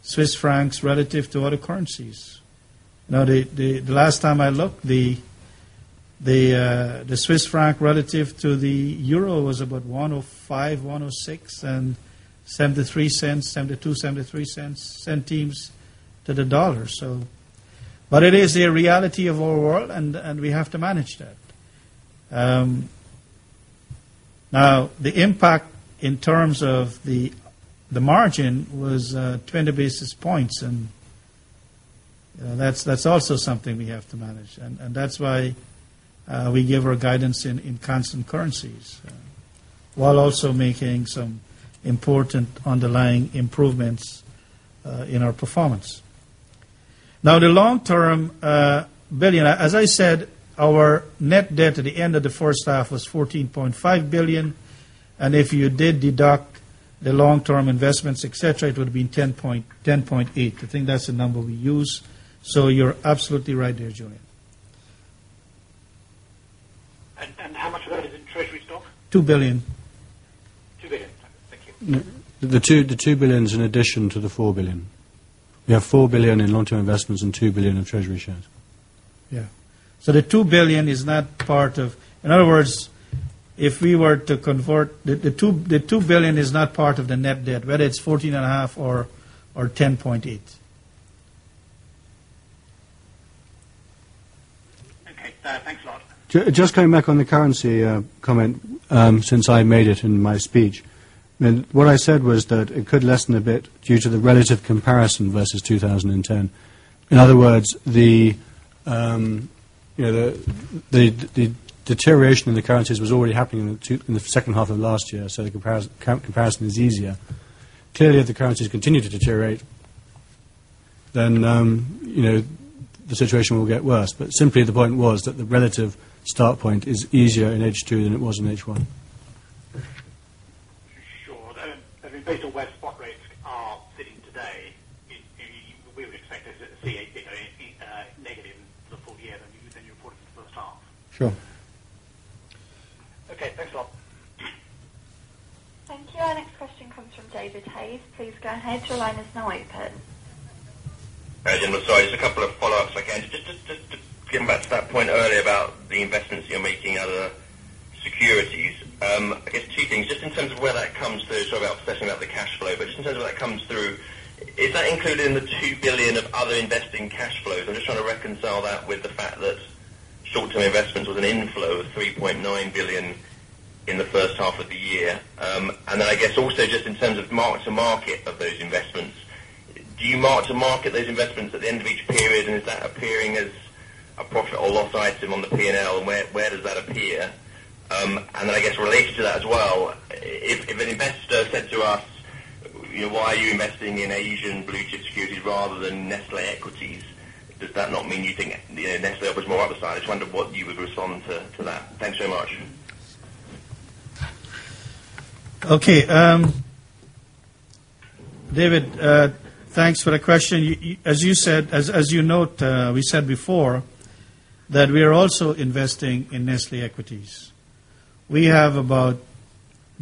Swiss francs relative to other currencies. Now, the last time I looked, the Swiss franc relative to the euro was about 1.05, 1.06, and 0.73, 0.72, 0.73 to the dollar. It is a reality of our world, and we have to manage that. The impact in terms of the margin was 20 basis points, and that's also something we have to manage. That's why we give our guidance in constant currencies while also making some important underlying improvements in our performance. Now, the long-term billion, as I said, our net debt at the end of the first half was 14.5 billion. If you did deduct the long-term investments, et cetera, it would have been 10.8 billion. I think that's the number we use. You're absolutely right there, Julian. 2 billion. The 2 billion is in addition to the 4 billion. You have 4 billion in long-term investments and 2 billion of treasury shares. Yeah. The 2 billion is not part of, in other words, if we were to convert, the 2 billion is not part of the net debt, whether it's 14.5 billion or 10.8 billion. Just going back on the currency comment since I made it in my speech. What I said was that it could lessen a bit due to the relative comparison versus 2010. In other words, the deterioration in the currencies was already happening in the second half of last year, so the comparison is easier. Clearly, if the currencies continue to deteriorate, then the situation will get worse. The point was that the relative start point is easier in H2 than it was in H1. Today, we would expect it to be needed in the full year than you would for the past. Sure. Okay. Thanks, a lot Thank you. Our next question comes from David Hayes. Please go ahead. Your line is now open. Hey, Jim. Sorry. Just a couple of follow-ups again. Getting back to that point earlier about the investments you're making in other securities. Just two things. In terms of where that comes to sort of about setting up the cash flow, in terms of where that comes through, is that included in the 2 billion of other investing cash flows? I'm just trying to reconcile that with the fact that talking about investments was an inflow of 3.9 billion in the first half of the year. I guess also just in terms of mark-to-market of those investments, do you mark-to-market those investments at the end of each period, and is that appearing as a profit or loss item on the P&L, and where does that appear? I guess related to that as well, if an investor said to us, "You know, why are you investing in Asian blue-chip securities rather than Nestlé equities?" does that not mean you think Nestlé offers more appetite? I wonder what you would respond to that. Thanks very much. Okay. David, thanks for the question. As you said, as you note, we said before that we are also investing in Nestlé equities. We have about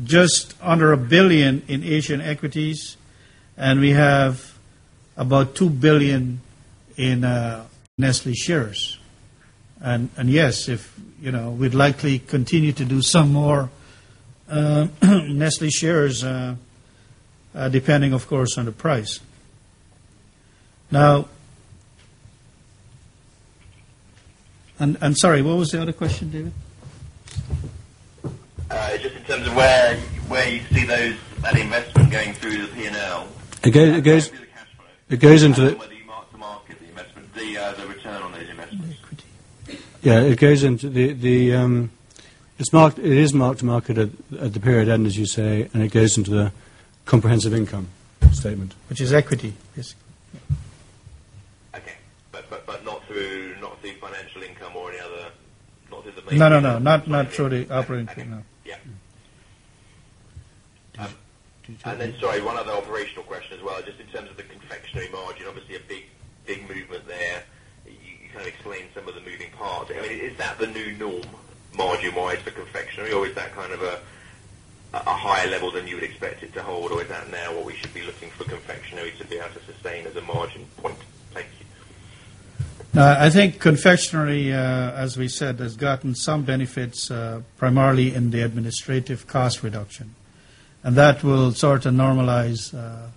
just under 1 billion in Asian equities, and we have about 2 billion in Nestlé shares. Yes, if you know we'd likely continue to do some more Nestlé shares, depending, of course, on the price. Sorry, what was the other question, David? It's just in terms of where you see that investment going through your P&L. It goes into. Where do you mark the market, the investment, the return on those investments? Yeah, it goes into the, it is marked to market at the period end, as you say, and it goes into the comprehensive income statement. Which is equity? Yes. Okay, not through, not a big financial income or any other. No, no, no. Not through the operating income. Sorry, one other operational question as well, just in terms of the confectionery margin, obviously a big movement there. You kind of explain some of the moving part. I mean, is that the new norm margin-wise for confectionery, or is that kind of a higher level than you would expect it to hold, or is that now what we should be looking for confectioneries to be able to sustain at the margin? Thank you. I think confectionery, as we said, has gotten some benefits primarily in the administrative cost reduction. That will sort of normalize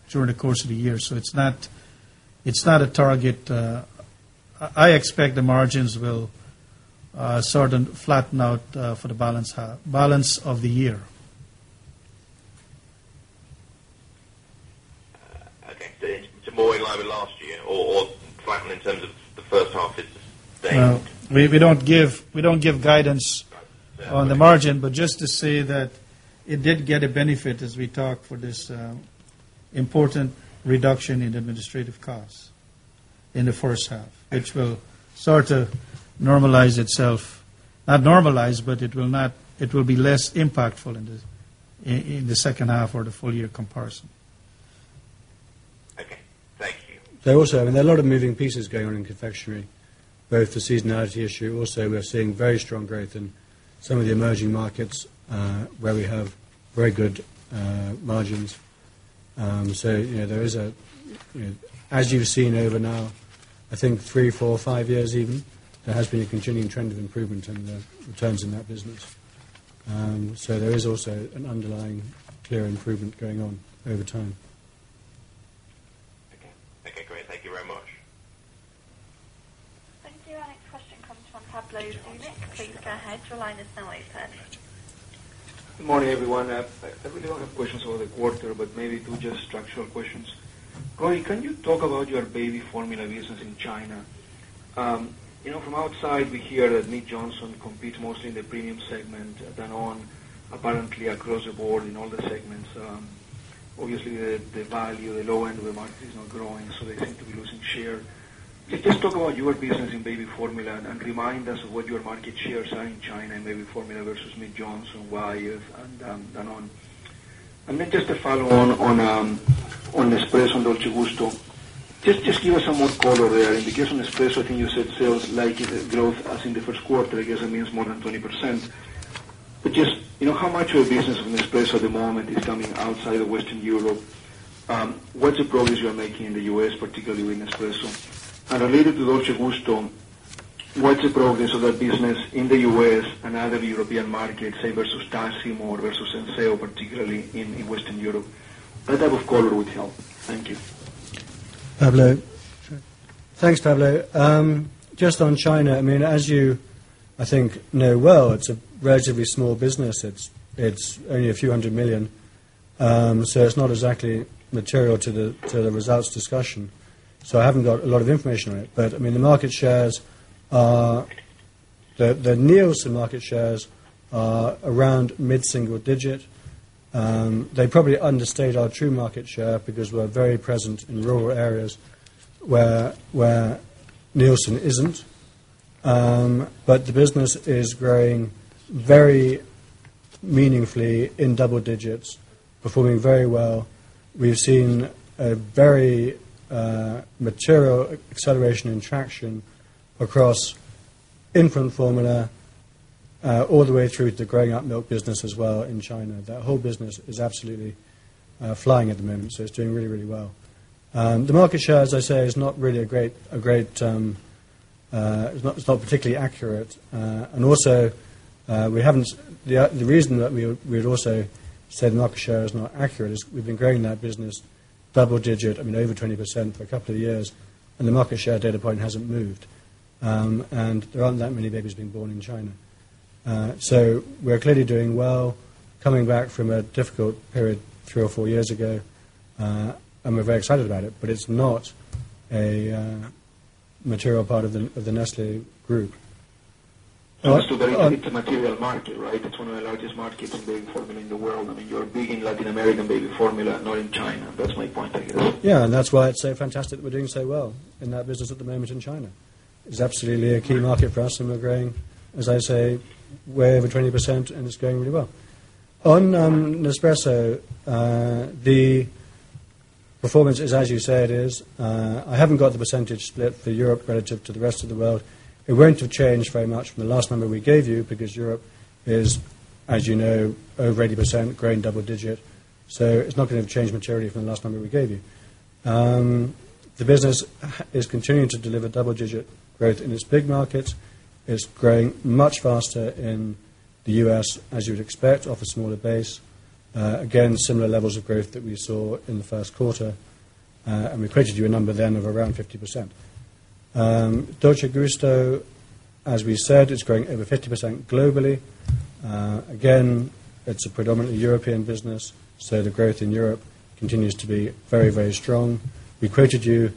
during the course of the year. It's not a target. I expect the margins will sort of flatten out for the balance of the year. Okay, so more in line with last year or flat in terms of the first half? We don't give guidance on the margin, just to say that it did get a benefit, as we talked, for this important reduction in administrative costs in the first half, which will sort of normalize itself. Not normalize, but it will be less impactful in the second half or the full-year comparison. There are a lot of moving pieces going on in confectionery, both the seasonality issue. Also, we're seeing very strong growth in some of the emerging markets where we have very good margins. You know, as you've seen over now, I think three, four, five years even, there has been a continuing trend of improvement in the returns in that business. There is also an underlying clear improvement going on over time. Okay, great. Thank you very much. Thank you. Our next question comes from Pablo Zuanic. Please go ahead. Your line is now open. Morning, everyone. I don't have questions for the quarter, but maybe two just structural questions. Roddy, can you talk about your baby formula business in China? You know, from outside, we hear that Mead Johnson competes mostly in the premium segment, Danone, apparently across the board in all the segments. Obviously, the value, the lower end of the market is not growing, so they seem to be losing share. Just talk about your business in baby formula and remind us of what your market shares are in China in baby formula versus Mead Johnson, Wyeth, and Danone. Maybe just a follow-on on Nespresso and Nescafé Dolce Gusto. Just give us some more color there. In the case of Nespresso, I think you said sales like growth as in the first quarter, I guess it means more than 20%. Just, you know, how much of your business of Nespresso at the moment is coming outside of Western Europe? What's the progress you're making in the U.S., particularly with Nespresso? Related to Nescafé Dolce Gusto, what's the progress of that business in the U.S. and other European markets, say, versus Tassimo or versus Senseo, particularly in Western Europe? That type of color would help. Thank you. Thanks, Pablo. Just on China, as you, I think, know well, it's a relatively small business. It's only a few hundred million. It's not exactly material to the results discussion. I haven't got a lot of information on it. The market shares are the Nielsen market shares, which are around mid-single digit. They probably understate our true market share because we're very present in rural areas where Nielsen isn't. The business is growing very meaningfully in double digits, performing very well. We've seen a very material acceleration in traction across infant formula all the way through to growing up milk business as well in China. That whole business is absolutely flying at the moment. It's doing really, really well. The market share, as I say, is not really a great, it's not particularly accurate. The reason that we'd also said the market share is not accurate is we've been growing that business double digit, over 20% for a couple of years, and the market share data point hasn't moved. There aren't that many babies being born in China. We're clearly doing well, coming back from a difficult period three or four years ago, and we're very excited about it, but it's not a material part of the Nestlé group. It's a very different material market, right? It's one of the largest markets in baby formula in the world. You're thinking Latin American baby formula, not in China. Yeah, and that's why it's so fantastic that we're doing so well in that business at the moment in China. It's absolutely a key market for us, and we're growing, as I say, way over 20%, and it's going really well. On Nespresso, the performance is, as you said, I haven't got the percentage split for Europe relative to the rest of the world. It won't have changed very much from the last number we gave you because Europe is, as you know, over 80% growing double digit. It's not going to have changed materially from the last number we gave you. The business is continuing to deliver double-digit growth in its big markets. It's growing much faster in the U.S., as you'd expect, off a smaller base. Again, similar levels of growth that we saw in the first quarter. We quoted you a number then of around 50%. Dolce Gusto, as we said, is growing over 50% globally. It's a predominantly European business, so the growth in Europe continues to be very, very strong. We quoted you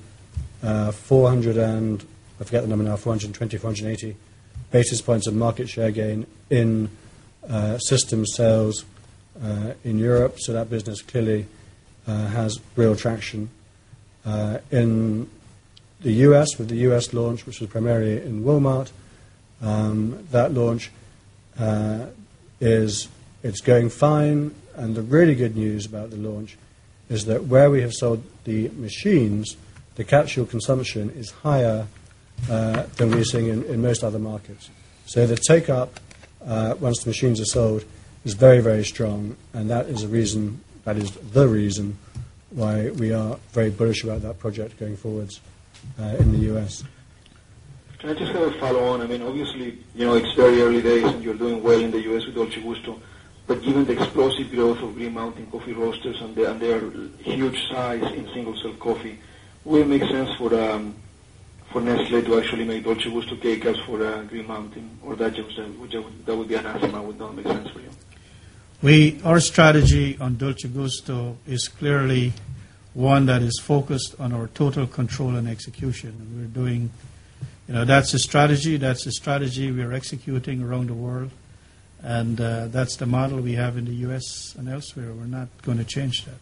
420 basis points, 480 basis points of market share gain in system sales in Europe. That business clearly has real traction. In the U.S., with the U.S. launch, which was primarily in Walmart, that launch is going fine. The really good news about the launch is that where we have sold the machines, the actual consumption is higher than we're seeing in most other markets. The take-up once the machines are sold is very, very strong. That is a reason, that is the reason why we are very bullish about that project going forwards in the U.S. I just want to follow on. I mean, obviously, you know, it's still early days and you're doing well in the U.S. with Dolce Gusto. Given the explosive growth of Green Mountain Coffee Roasters and their huge size in single-serve coffee, would it make sense for Nestlé to actually make Dolce Gusto take-ups for Green Mountain or that job stand? That would be a nice amount, would that make sense for you? Our strategy on Dolce Gusto is clearly one that is focused on our total control and execution. That's the strategy we are executing around the world, and that's the model we have in the U.S. and elsewhere. We're not going to change that.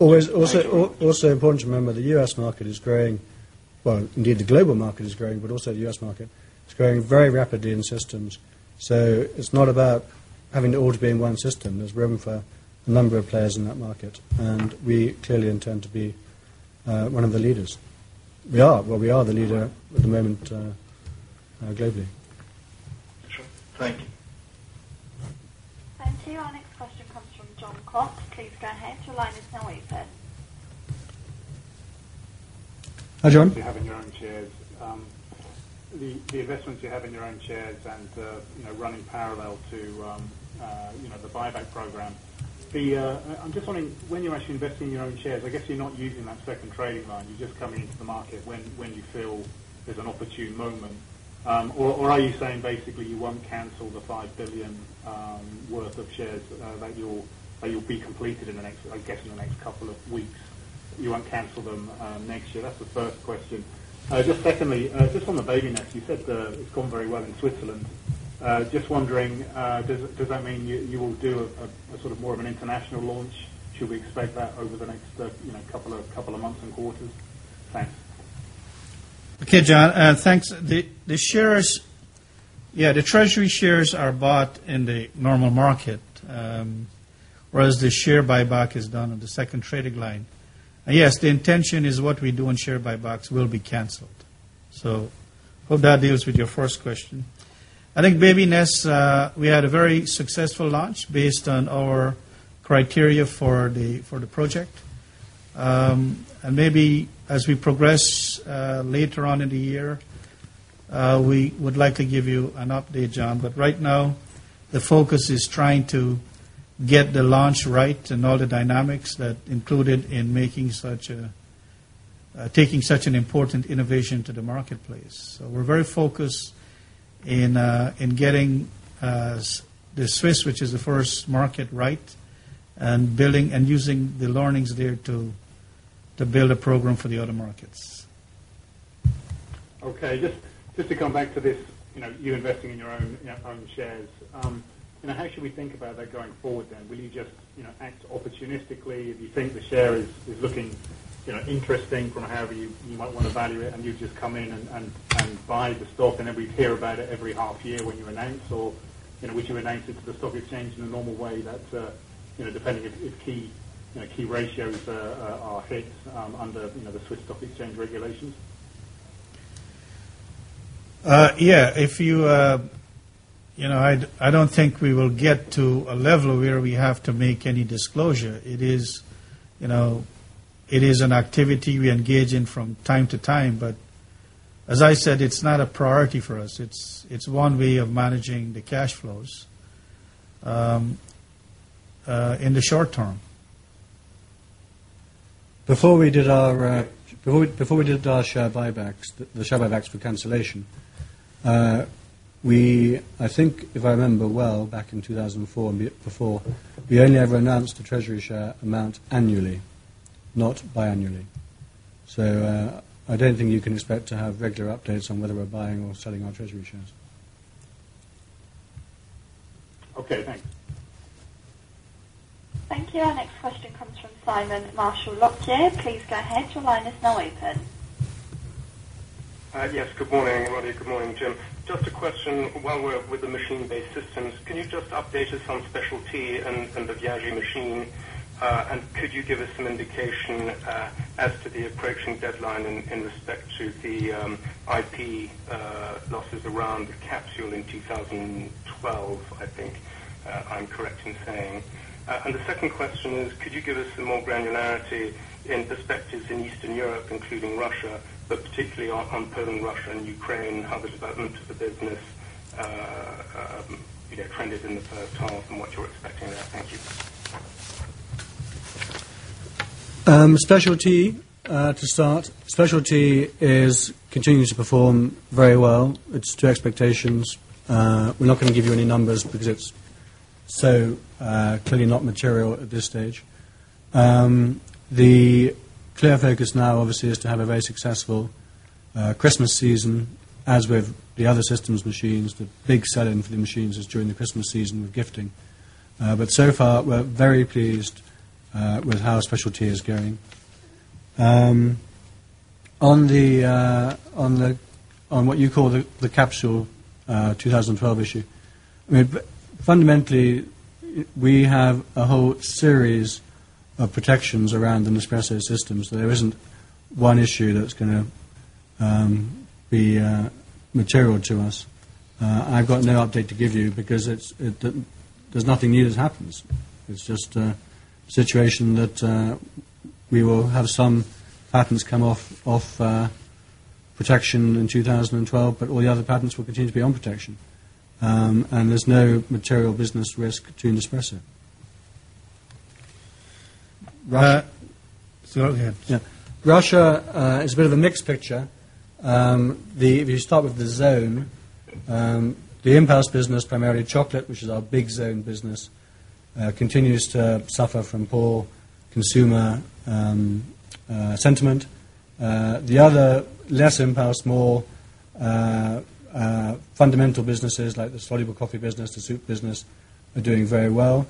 Also important to remember, the U.S. market is growing. Indeed, the global market is growing, but the U.S. market is growing very rapidly in systems. It is not about having it all to be in one system. There is room for a number of players in that market. We clearly intend to be one of the leaders. We are the leader at the moment globally. Thank you. Thank you. Our next question comes from Jon Cox. Please go ahead. Your line is now open. Hi, Jon. You have in your own shares, the investments you have in your own shares and running parallel to the buyback program. I'm just wondering, when you're actually investing in your own shares, I guess you're not using that second trading run. You just come into the market when you feel there's an opportune moment. Are you saying basically you won't cancel the 5 billion worth of shares that you'll be completed in the next, I guess, in the next couple of weeks? You won't cancel them next year. That's the first question. Secondly, just on the baby nest, you said it's gone very well in Switzerland. Just wondering, does that mean you will do a sort of more of an international launch? Should we expect that over the next couple of months and quarters? Okay, Jon. Thanks. The shares, yeah, the treasury shares are bought in the normal market, whereas the share buyback is done on the second trading line. Yes, the intention is what we do on share buybacks will be canceled. I hope that deals with your first question. I think baby nests, we had a very successful launch based on our criteria for the project. Maybe as we progress later on in the year, we would like to give you an update, Jon Right now, the focus is trying to get the launch right and all the dynamics that are included in making such a, taking such an important innovation to the marketplace. We are very focused in getting the Swiss, which is the first market, right, and building and using the learnings there to build a program for the other markets. Okay. Just to come back to this, you know, you investing in your own shares, you know, how should we think about that going forward then? Will you just act opportunistically if you think the share is looking interesting from however you might want to value it, and you just come in and buy the stock and then we hear about it every half year when you announce or when you announce it to the stock exchange in a normal way, that's, you know, depending if key ratios are hit under the Swiss Stock Exchange regulations? Yeah, I don't think we will get to a level where we have to make any disclosure. It is an activity we engage in from time to time, but as I said, it's not a priority for us. It's one way of managing the cash flows in the short term. Before we did our share buybacks, the share buybacks for cancellation, I think, if I remember well, back in 2004 and before, we only ever announced the treasury share amount annually, not biannually. I don't think you can expect to have regular updates on whether we're buying or selling our treasury shares. Thanks. Thank you. Our next question comes from Simon Marshall-Lockyer. Please go ahead. Your line is now open. Yes, good morning, Roddy. Good morning, Jim. Just a question. While we're with the machine-based systems, can you just update us on specialty and the Viaggi machine? Could you give us some indication as to the breaking deadline in respect to the IP losses around Capsule in 2012, I think, if I'm correct in saying. The second question is, could you give us some more granularity in perspectives in Eastern Europe, including Russia, but particularly on Poland and Ukraine, how the development of the business kind of in the third half and what you're expecting there? Thank you. Specialty, to start, specialty is continuing to perform very well. It's to expectations. We're not going to give you any numbers because it's so clearly not material at this stage. The clear focus now, obviously, is to have a very successful Christmas season, as with the other systems machines. The big sell-in for the machines is during the Christmas season with gifting. We are very pleased with how specialty is going. On what you call the Capsule 2012 issue, fundamentally, we have a whole series of protections around the Nespresso systems. There isn't one issue that's going to be material to us. I've got no update to give you because there's nothing new that happens. It's just a situation that we will have some patents come off protection in 2012, but all the other patents will continue to be on protection. There is no material business risk to Nespresso. So, okay. Yeah. Russia is a bit of a mixed picture. If you start with the zone, the in-house business, primarily chocolate, which is our big zone business, continues to suffer from poor consumer sentiment. The other less in-house, more fundamental businesses like the soluble coffee business, the soup business, are doing very well.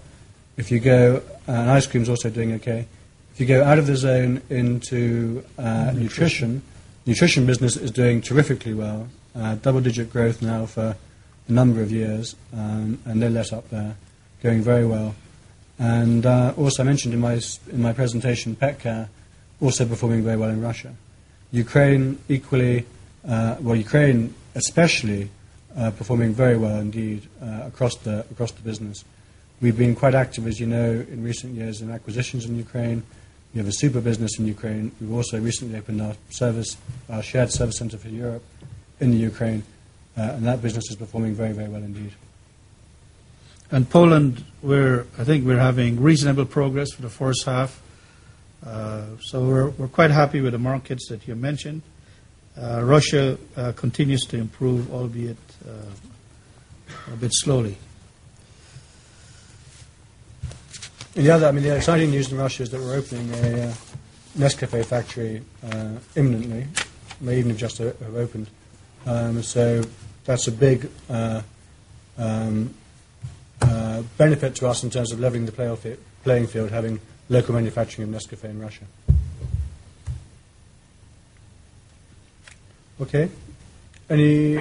Ice cream is also doing okay. If you go out of the zone into nutrition, the nutrition business is doing terrifically well. Double-digit growth now for a number of years, and they're let up there, going very well. I mentioned in my presentation, PetCare also performing very well in Russia. Ukraine equally, Ukraine especially, performing very well indeed across the business. We've been quite active, as you know, in recent years in acquisitions in Ukraine. We have a super business in Ukraine. We've also recently opened up our shared service center for Europe in Ukraine, and that business is performing very, very well indeed. Poland, I think we're having reasonable progress for the first half. We're quite happy with the markets that you mentioned. Russia continues to improve, albeit a bit slowly. The exciting news in Russia is that we're opening a Nescafé factory imminently. We may even just have opened. That's a big benefit to us in terms of leveling the playing field, having local manufacturing of Nescafé in Russia.Okay. Any?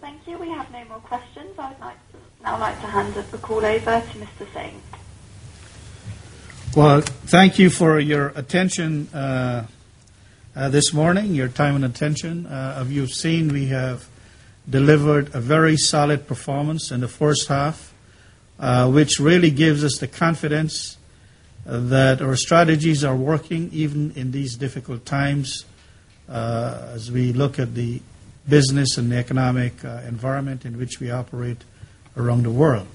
Thank you. We have no more questions. I'd now like to hand the call over to Mr. Singh. Thank you for your attention this morning, your time and attention. As you've seen, we have delivered a very solid performance in the first half, which really gives us the confidence that our strategies are working even in these difficult times as we look at the business and the economic environment in which we operate around the world.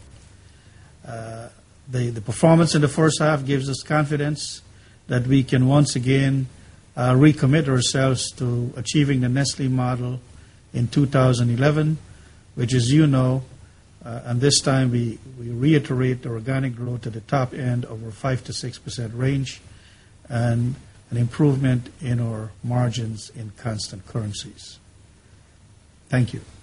The performance in the first half gives us confidence that we can once again recommit ourselves to achieving the Nestlé model in 2011, which, as you know, and this time we reiterate the organic growth at the top end of a 5%-6% range and an improvement in our margins in constant currencies. Thank you. Thank you.